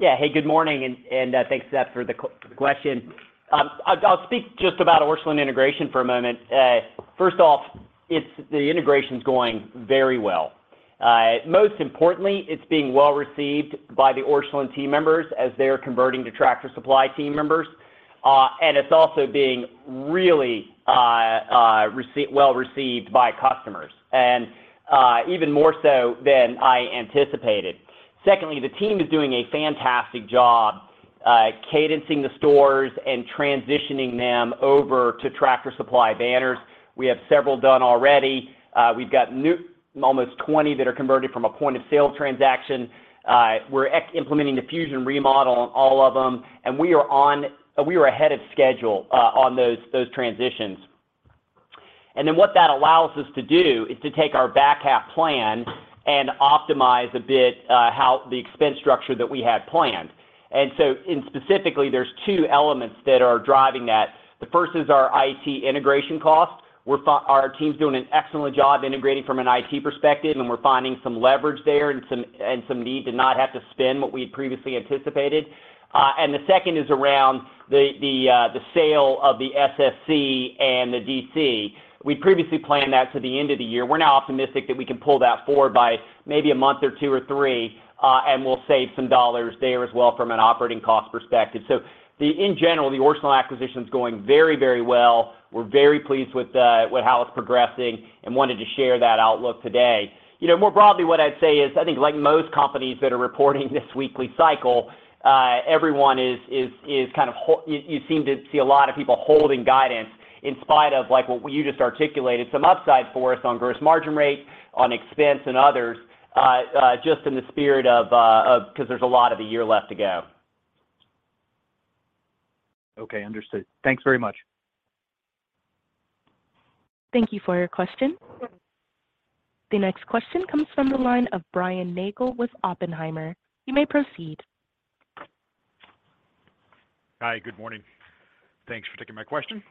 Yeah. Hey, good morning, and thanks, Seth, for the question. I'll speak just about Orscheln integration for a moment. First off, the integration's going very well. Most importantly, it's being well received by the Orscheln team members as they're converting to Tractor Supply team members. It's also being really well received by customers. Even more so than I anticipated. Secondly, the team is doing a fantastic job cadencing the stores and transitioning them over to Tractor Supply banners. We have several done already. We've got almost 20 that are converted from a point-of-sale transaction. We're implementing the Fusion remodel on all of them. We are ahead of schedule on those transitions. What that allows us to do is to take our back half plan and optimize a bit how the expense structure that we had planned. Specifically, there's two elements that are driving that. The first is our IT integration cost. Our team's doing an excellent job integrating from an IT perspective, and we're finding some leverage there and some need to not have to spend what we previously anticipated. The second is around the sale of the SSC and the DC. We previously planned that to the end of the year. We're now optimistic that we can pull that forward by maybe a month or two or three, and we'll save some dollars there as well from an operating cost perspective. In general, the Orscheln acquisition is going very, very well. We're very pleased with how it's progressing and wanted to share that outlook today. You know, more broadly, what I'd say is, I think like most companies that are reporting this weekly cycle, You seem to see a lot of people holding guidance in spite of like what you just articulated, some upside for us on gross margin rate, on expense and others, just in the spirit of because there's a lot of the year left to go. Okay, understood. Thanks very much. Thank you for your question. The next question comes from the line of Brian Nagel with Oppenheimer. You may proceed. Hi, good morning. Thanks for taking my question.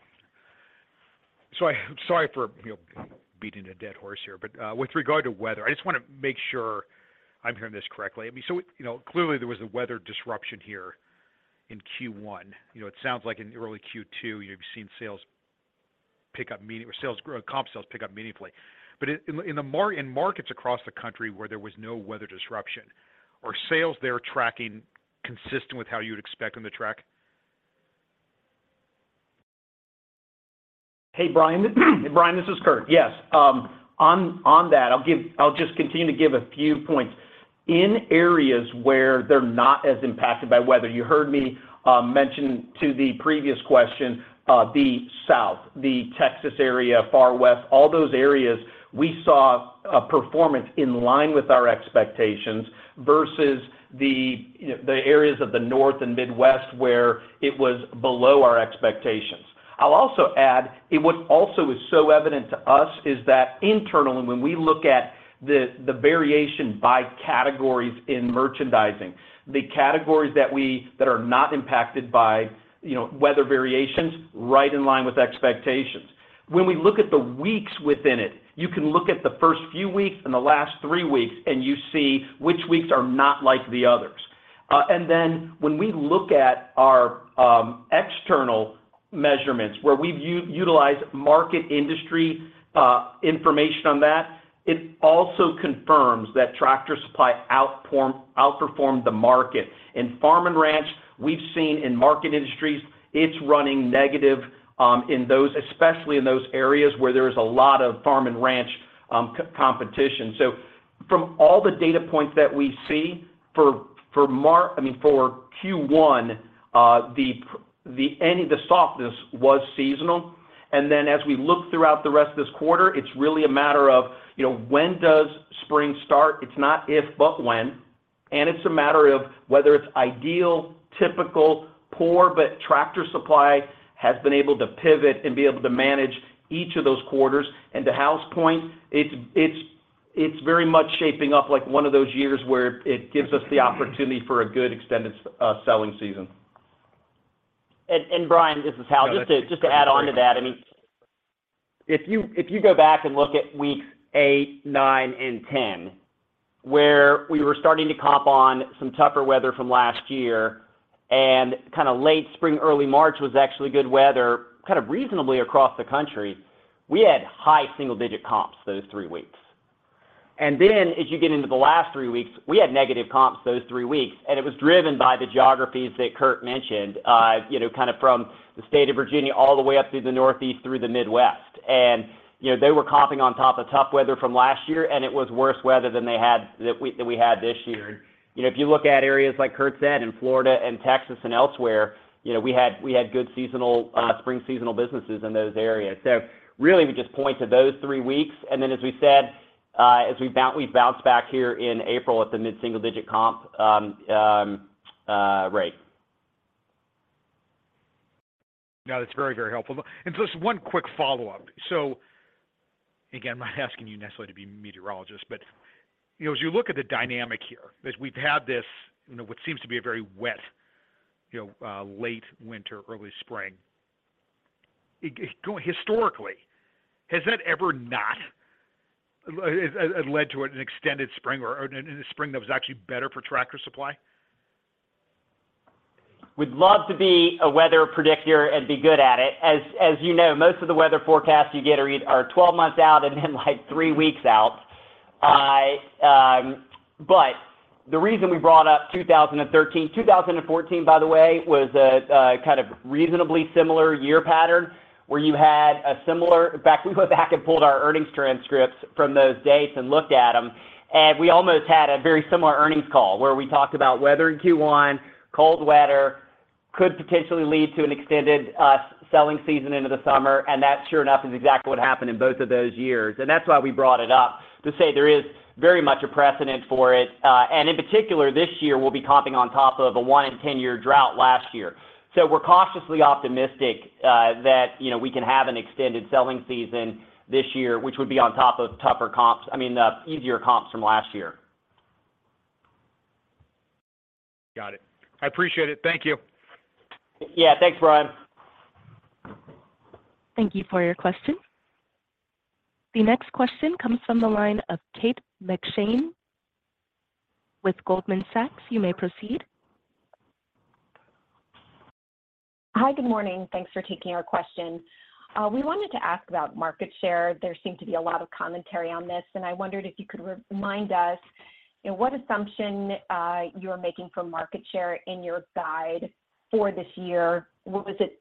I sorry for, you know, beating a dead horse here, but with regard to weather, I just wanna make sure I'm hearing this correctly. I mean, you know, clearly there was a weather disruption here in Q1. You know, it sounds like in early Q2, you've seen sales pick up or sales grow, comp sales pick up meaningfully. In markets across the country where there was no weather disruption, are sales there tracking consistent with how you would expect them to track? Hey, Brian. Brian, this is Kurt. Yes. On that, I'll just continue to give a few points. In areas where they're not as impacted by weather, you heard me mention to the previous question, the South, the Texas area, far West, all those areas, we saw a performance in line with our expectations versus the areas of the North and Midwest where it was below our expectations. I'll also add, what also is so evident to us is that internally, when we look at the variation by categories in merchandising, the categories that are not impacted by, you know, weather variations, right in line with expectations. When we look at the weeks within it, you can look at the first few weeks and the last three weeks, you see which weeks are not like the others. When we look at our external measurements where we've utilized market industry information on that, it also confirms that Tractor Supply outperformed the market. In farm and ranch, we've seen in market industries, it's running negative in those, especially in those areas where there is a lot of farm and ranch co-competition. From all the data points that we see for Q1, the softness was seasonal. As we look throughout the rest of this quarter, it's really a matter of, you know, when does spring start? It's not if, but when. It's a matter of whether it's ideal, typical, poor, but Tractor Supply has been able to pivot and be able to manage each of those quarters. To Hal's point, it's very much shaping up like one of those years where it gives us the opportunity for a good extended selling season. Brian, this is Hal. Just to add on to that, I mean, if you, if you go back and look at weeks eight, nine, and 10, where we were starting to comp on some tougher weather from last year and kinda late spring, early March was actually good weather, kind of reasonably across the country, we had high single-digit comps those three weeks. As you get into the last three weeks, we had negative comps those three weeks, and it was driven by the geographies that Kurt mentioned, you know, kinda from the state of Virginia all the way up through the Northeast through the Midwest. You know, they were comping on top of tough weather from last year, and it was worse weather than that we had this year. You know, if you look at areas like Kurt said in Florida and Texas and elsewhere, you know, we had, we had good seasonal, spring seasonal businesses in those areas. Really, we just point to those three weeks. Then as we said, as we bounced back here in April at the mid-single digit comp rate. No, that's very, very helpful. Just one quick follow-up. Again, I'm not asking you necessarily to be meteorologists, but, you know, as you look at the dynamic here, as we've had this, you know, what seems to be a very wet, you know, late winter, early spring Historically, has that ever not led to an extended spring or in a spring that was actually better for Tractor Supply? We'd love to be a weather predictor and be good at it. As you know, most of the weather forecasts you get are 12 months out and then like three weeks out. The reason we brought up 2013. 2014, by the way, was a kind of reasonably similar year pattern where you had a similar. In fact, we went back and pulled our earnings transcripts from those dates and looked at them, and we almost had a very similar earnings call where we talked about weather in Q1, cold weather could potentially lead to an extended selling season into the summer. That, sure enough, is exactly what happened in both of those years. That's why we brought it up to say there is very much a precedent for it. In particular, this year we'll be comping on top of a one-in-10-year drought last year. We're cautiously optimistic, that, you know, we can have an extended selling season this year, which would be on top of tougher comps, I mean, easier comps from last year. Got it. I appreciate it. Thank you. Yeah. Thanks, Brian. Thank you for your question. The next question comes from the line of Kate McShane with Goldman Sachs. You may proceed. Hi. Good morning. Thanks for taking our question. We wanted to ask about market share. There seemed to be a lot of commentary on this, and I wondered if you could remind us, you know, what assumption you are making for market share in your guide for this year. Was it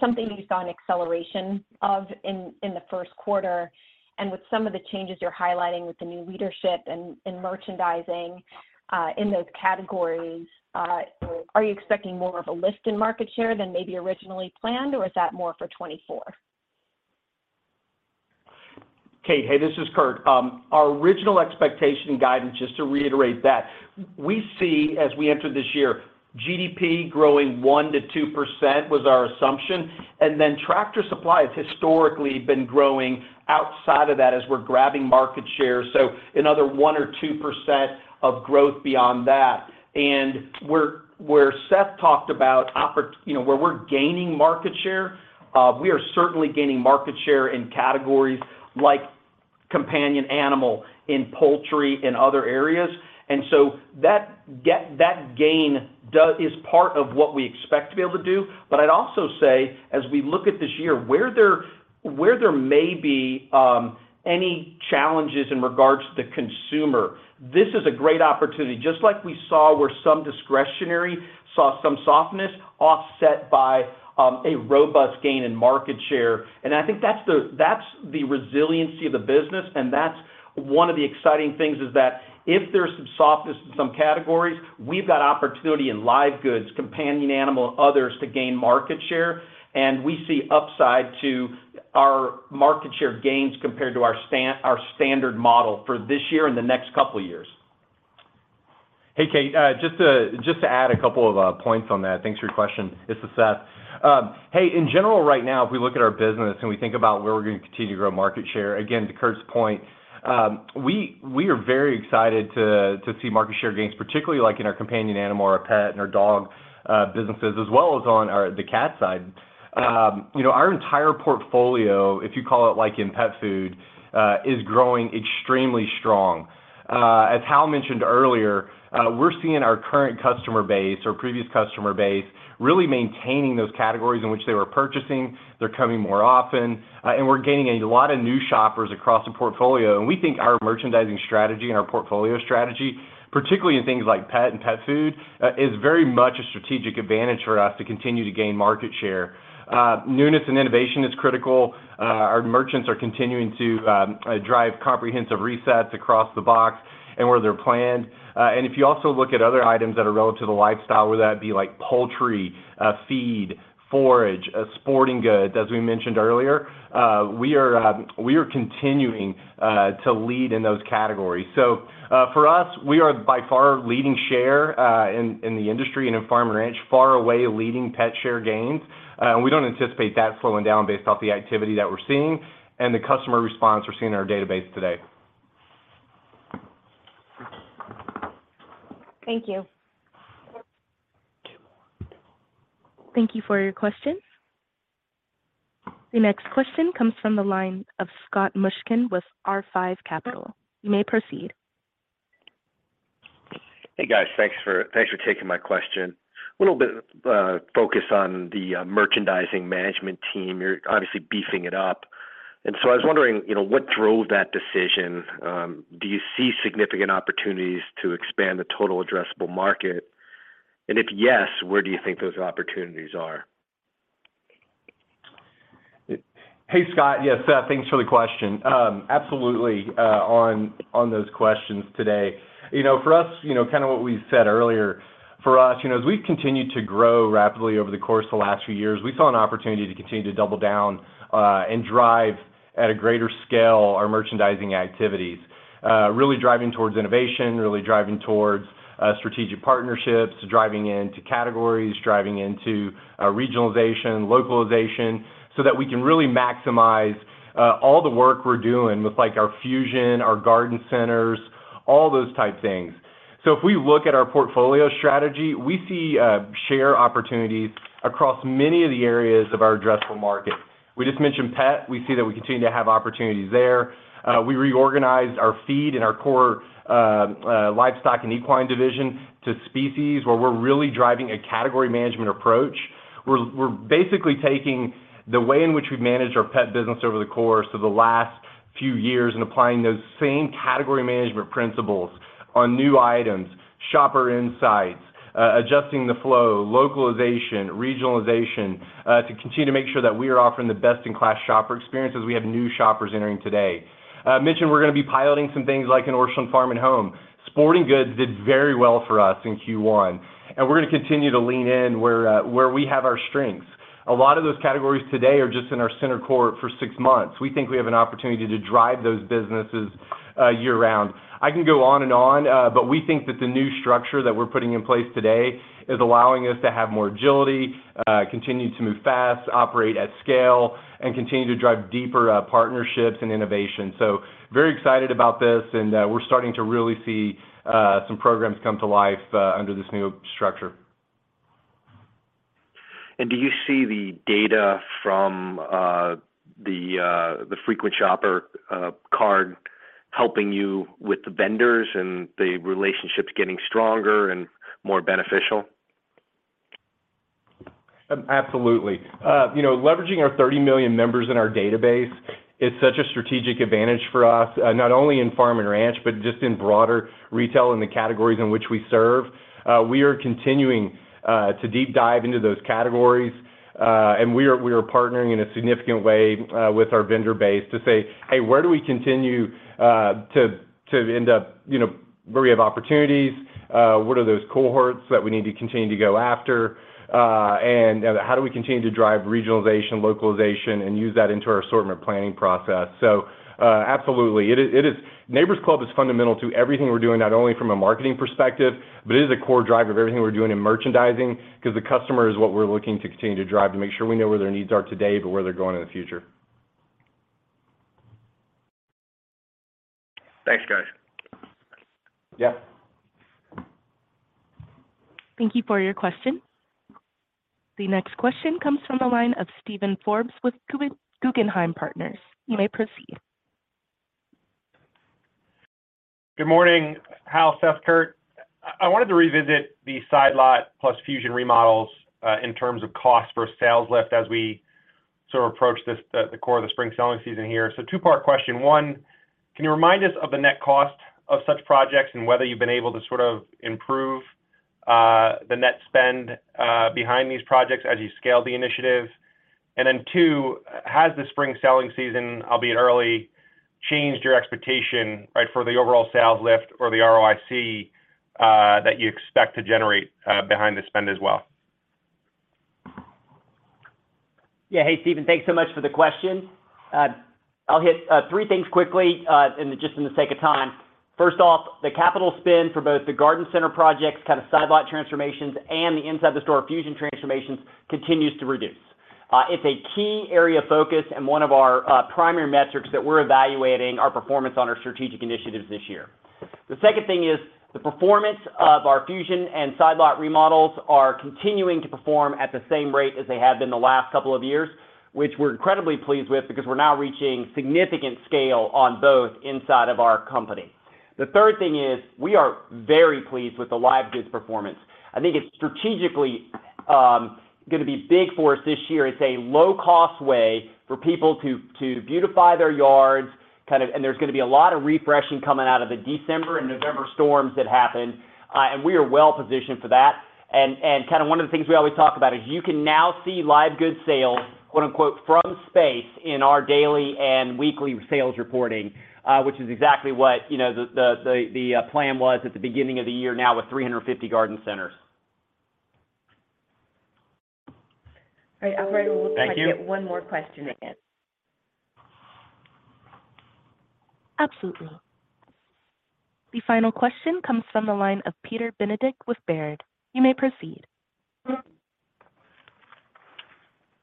something you saw an acceleration of in the first quarter? With some of the changes you're highlighting with the new leadership and merchandising in those categories, are you expecting more of a lift in market share than maybe originally planned, or is that more for 2024? Kate, hey, this is Kurt. Our original expectation and guidance, just to reiterate that, we see as we enter this year, GDP growing 1%-2% was our assumption, then Tractor Supply has historically been growing outside of that as we're grabbing market share. Another 1% or 2% of growth beyond that. Where Seth talked about, you know, where we're gaining market share, we are certainly gaining market share in categories like companion animal, in poultry, in other areas. That gain is part of what we expect to be able to do. I'd also say as we look at this year, where there may be any challenges in regards to consumer, this is a great opportunity. Just like we saw where some discretionary saw some softness offset by a robust gain in market share. I think that's the resiliency of the business, and that's one of the exciting things, is that if there's some softness in some categories, we've got opportunity in live goods, companion animal, and others to gain market share. We see upside to our market share gains compared to our standard model for this year and the next couple years. Hey, Kate, just to add a couple of points on that. Thanks for your question. This is Seth. In general right now, if we look at our business and we think about where we're gonna continue to grow market share, again, to Kurt's point, we are very excited to see market share gains, particularly like in our companion animal or our pet and our dog businesses, as well as on the cat side. you know, our entire portfolio, if you call it like in pet food, is growing extremely strong. As Hal mentioned earlier, we're seeing our current customer base or previous customer base really maintaining those categories in which they were purchasing. They're coming more often, and we're gaining a lot of new shoppers across the portfolio. We think our merchandising strategy and our portfolio strategy, particularly in things like pet and pet food, is very much a strategic advantage for us to continue to gain market share. Newness and innovation is critical. Our merchants are continuing to drive comprehensive resets across the box and where they're planned. If you also look at other items that are relevant to the lifestyle, whether that be like poultry, feed, forage, sporting goods, as we mentioned earlier, we are continuing to lead in those categories. For us, we are by far leading share, in the industry and in farm and ranch, far away leading pet share gains. We don't anticipate that slowing down based off the activity that we're seeing and the customer response we're seeing in our database today. Thank you. Thank you for your question. The next question comes from the line of Scott Mushkin with R5 Capital. You may proceed. Hey, guys. Thanks for taking my question. A little bit focus on the merchandising management team. You're obviously beefing it up, so I was wondering, you know, what drove that decision? Do you see significant opportunities to expand the total addressable market? If yes, where do you think those opportunities are? Hey, Scott. Yeah, Seth. Thanks for the question. Absolutely on those questions today. You know, for us, you know, kind of what we said earlier, for us, you know, as we continued to grow rapidly over the course of the last few years, we saw an opportunity to continue to double down and drive at a greater scale our merchandising activities. Really driving towards innovation, really driving towards strategic partnerships, driving into categories, driving into regionalization, localization, so that we can really maximize all the work we're doing with like our Fusion, our garden centers, all those type things. If we look at our portfolio strategy, we see share opportunities across many of the areas of our addressable market. We just mentioned pet. We see that we continue to have opportunities there. We reorganized our feed and our core livestock and equine division to species, where we're really driving a category management approach. We're basically taking the way in which we've managed our pet business over the course of the last few years and applying those same category management principles on new items, shopper insights, adjusting the flow, localization, regionalization, to continue to make sure that we are offering the best-in-class shopper experiences. We have new shoppers entering today. I mentioned we're gonna be piloting some things like an Orscheln Farm and Home. Sporting Goods did very well for us in Q1, we're gonna continue to lean in where we have our strengths. A lot of those categories today are just in our center core for six months. We think we have an opportunity to drive those businesses year-round. I can go on and on. We think that the new structure that we're putting in place today is allowing us to have more agility, continue to move fast, operate at scale, and continue to drive deeper, partnerships and innovation. Very excited about this, and, we're starting to really see, some programs come to life, under this new structure. Do you see the data from the frequent shopper card helping you with the vendors and the relationships getting stronger and more beneficial? Absolutely. You know, leveraging our 30 million members in our database is such a strategic advantage for us, not only in farm and ranch, but just in broader retail and the categories in which we serve. We are continuing to deep dive into those categories, and we are partnering in a significant way with our vendor base to say, "Hey, where do we continue to end up, you know, where we have opportunities? What are those cohorts that we need to continue to go after? And how do we continue to drive regionalization, localization, and use that into our assortment planning process?" Absolutely. Neighbor's Club is fundamental to everything we're doing, not only from a marketing perspective, but it is a core driver of everything we're doing in merchandising because the customer is what we're looking to continue to drive to make sure we know where their needs are today, but where they're going in the future. Thanks, guys. Yeah. Thank you for your question. The next question comes from the line of Steven Forbes with Guggenheim Partners. You may proceed. Good morning, Hal, Seth, Kurt. I wanted to revisit the Side Lot plus Fusion remodels, in terms of cost versus sales lift as we sort of approach the core of the spring selling season here. Two-part question. One, can you remind us of the net cost of such projects and whether you've been able to sort of improve, the net spend, behind these projects as you scale the initiative? Then two, has the spring selling season, albeit early, changed your expectation, right, for the overall sales lift or the ROIC, that you expect to generate, behind the spend as well? Yeah. Hey, Steven, thanks so much for the question. I'll hit three things quickly, and just in the sake of time. First off, the capital spend for both the garden center projects, kind of Side Lot transformations and the inside the store Fusion transformations continues to reduce. It's a key area of focus and one of our primary metrics that we're evaluating our performance on our strategic initiatives this year. The second thing is the performance of our Fusion and Side Lot remodels are continuing to perform at the same rate as they have been the last couple of years, which we're incredibly pleased with because we're now reaching significant scale on both inside of our company. The third thing is we are very pleased with the live goods performance. I think it's strategically, gonna be big for us this year. It's a low-cost way for people to beautify their yards. There's gonna be a lot of refreshing coming out of the December and November storms that happened. We are well positioned for that. Kind of one of the things we always talk about is you can now see live goods sales, quote-unquote, from space in our daily and weekly sales reporting, which is exactly what, you know, the plan was at the beginning of the year now with 350 garden centers. All right. Operator. Thank you. We'll try to get one more question in. Absolutely. The final question comes from the line of Peter Benedict with Baird. You may proceed.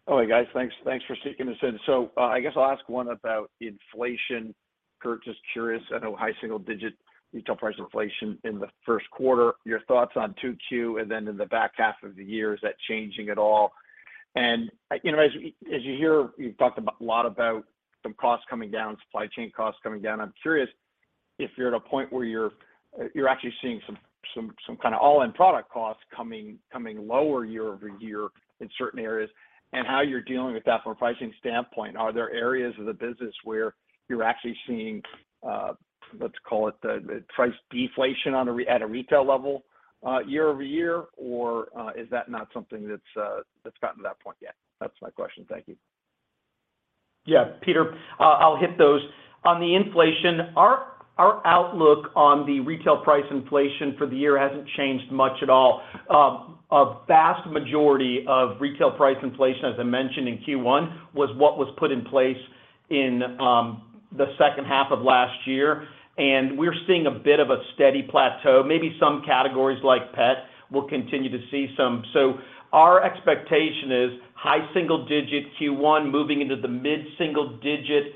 Hello, guys. Thanks. Thanks for sticking this in. I guess I'll ask one about inflation. Kurt, just curious, I know high single-digit retail price inflation in the first quarter. Your thoughts on 2Q and then in the back half of the year, is that changing at all? You know, as you hear, you've talked about a lot about some costs coming down, supply chain costs coming down. I'm curious if you're at a point where you're actually seeing some kind of all-in product costs coming lower year-over-year in certain areas and how you're dealing with that from a pricing standpoint. Are there areas of the business where you're actually seeing, let's call it the price deflation at a retail level, year-over-year? Is that not something that's gotten to that point yet? That's my question. Thank you. Yeah, Peter, I'll hit those. On the inflation, our outlook on the retail price inflation for the year hasn't changed much at all. A vast majority of retail price inflation, as I mentioned in Q1, was what was put in place in the second half of last year. We're seeing a bit of a steady plateau. Maybe some categories like pet will continue to see some. Our expectation is high single digit Q1 moving into the mid single digit.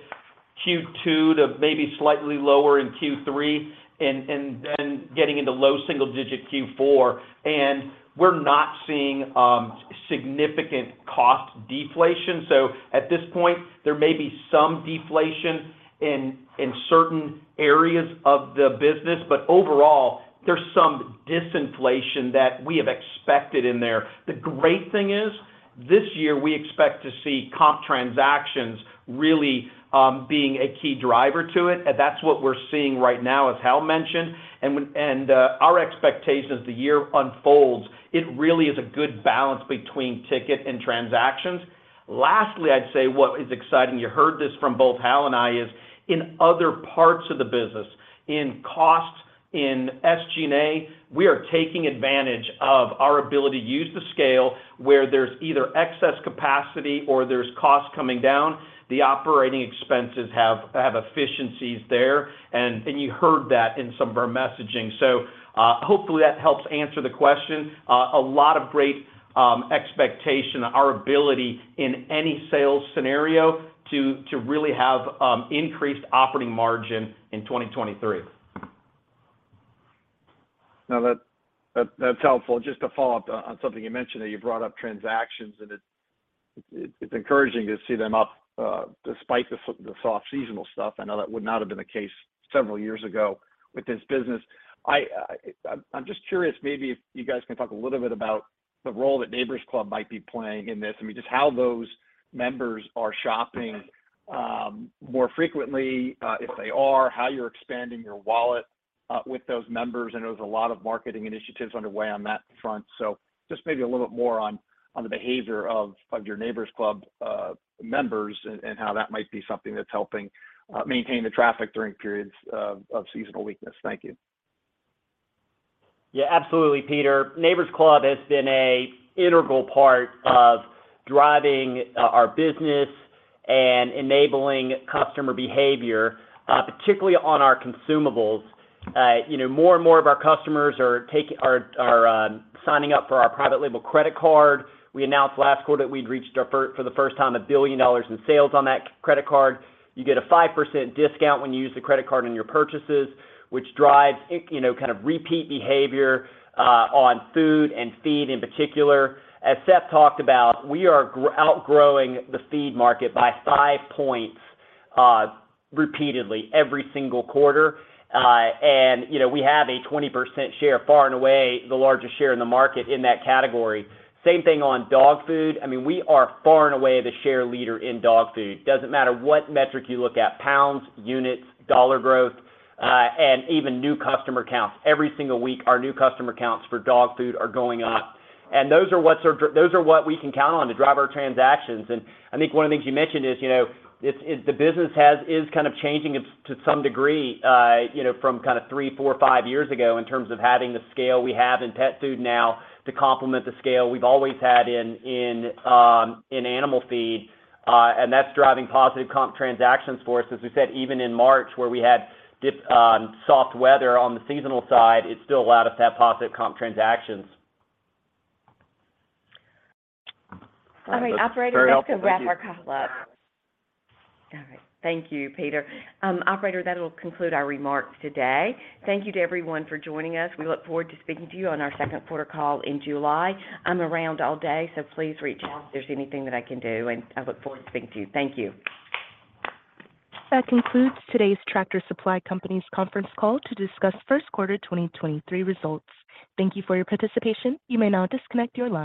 Q2 to maybe slightly lower in Q3, then getting into low single-digit Q4. We're not seeing significant cost deflation. At this point, there may be some deflation in certain areas of the business, but overall, there's some disinflation that we have expected in there. The great thing is, this year we expect to see comp transactions really being a key driver to it. That's what we're seeing right now, as Hal mentioned. Our expectation as the year unfolds, it really is a good balance between ticket and transactions. Lastly, I'd say what is exciting, you heard this from both Hal and I, is in other parts of the business, in costs, in SG&A, we are taking advantage of our ability to use the scale where there's either excess capacity or there's costs coming down. The operating expenses have efficiencies there. You heard that in some of our messaging. Hopefully that helps answer the question. A lot of great expectation, our ability in any sales scenario to really have increased operating margin in 2023. That's helpful. Just to follow up on something you mentioned, that you brought up transactions, it's encouraging to see them up despite the soft seasonal stuff. I know that would not have been the case several years ago with this business. I'm just curious maybe if you guys can talk a little bit about the role that Neighbor's Club might be playing in this. I mean, just how those members are shopping more frequently, if they are, how you're expanding your wallet with those members. I know there's a lot of marketing initiatives underway on that front. Just maybe a little bit more on the behavior of your Neighbor's Club members and how that might be something that's helping maintain the traffic during periods of seasonal weakness. Thank you. Yeah, absolutely, Peter. Neighbor's Club has been a integral part of driving our business and enabling customer behavior, particularly on our consumables. You know, more and more of our customers are signing up for our private label credit card. We announced last quarter that we'd reached for the first time $1 billion in sales on that credit card. You get a 5% discount when you use the credit card in your purchases, which drives, you know, kind of repeat behavior on food and feed in particular. As Seth talked about, we are outgrowing the feed market by 5 points repeatedly every single quarter. You know, we have a 20% share, far and away the largest share in the market in that category. Same thing on dog food. I mean, we are far and away the share leader in dog food. Doesn't matter what metric you look at, pounds, units, dollar growth, and even new customer counts. Every single week, our new customer counts for dog food are going up. Those are what we can count on to drive our transactions. I think one of the things you mentioned is, you know, the business is kind of changing it to some degree, you know, from kind of three, four, five years ago in terms of having the scale we have in pet food now to complement the scale we've always had in animal feed. That's driving positive comp transactions for us. As we said, even in March, where we had dip, soft weather on the seasonal side, it still allowed us to have positive comp transactions. All right, operator, this will wrap our call up. All right. Thank you, Peter. Operator, that'll conclude our remarks today. Thank you to everyone for joining us. We look forward to speaking to you on our second quarter call in July. I'm around all day, so please reach out if there's anything that I can do, and I look forward to speaking to you. Thank you. That concludes today's Tractor Supply Company's conference call to discuss first quarter 2023 results. Thank you for your participation. You may now disconnect your line.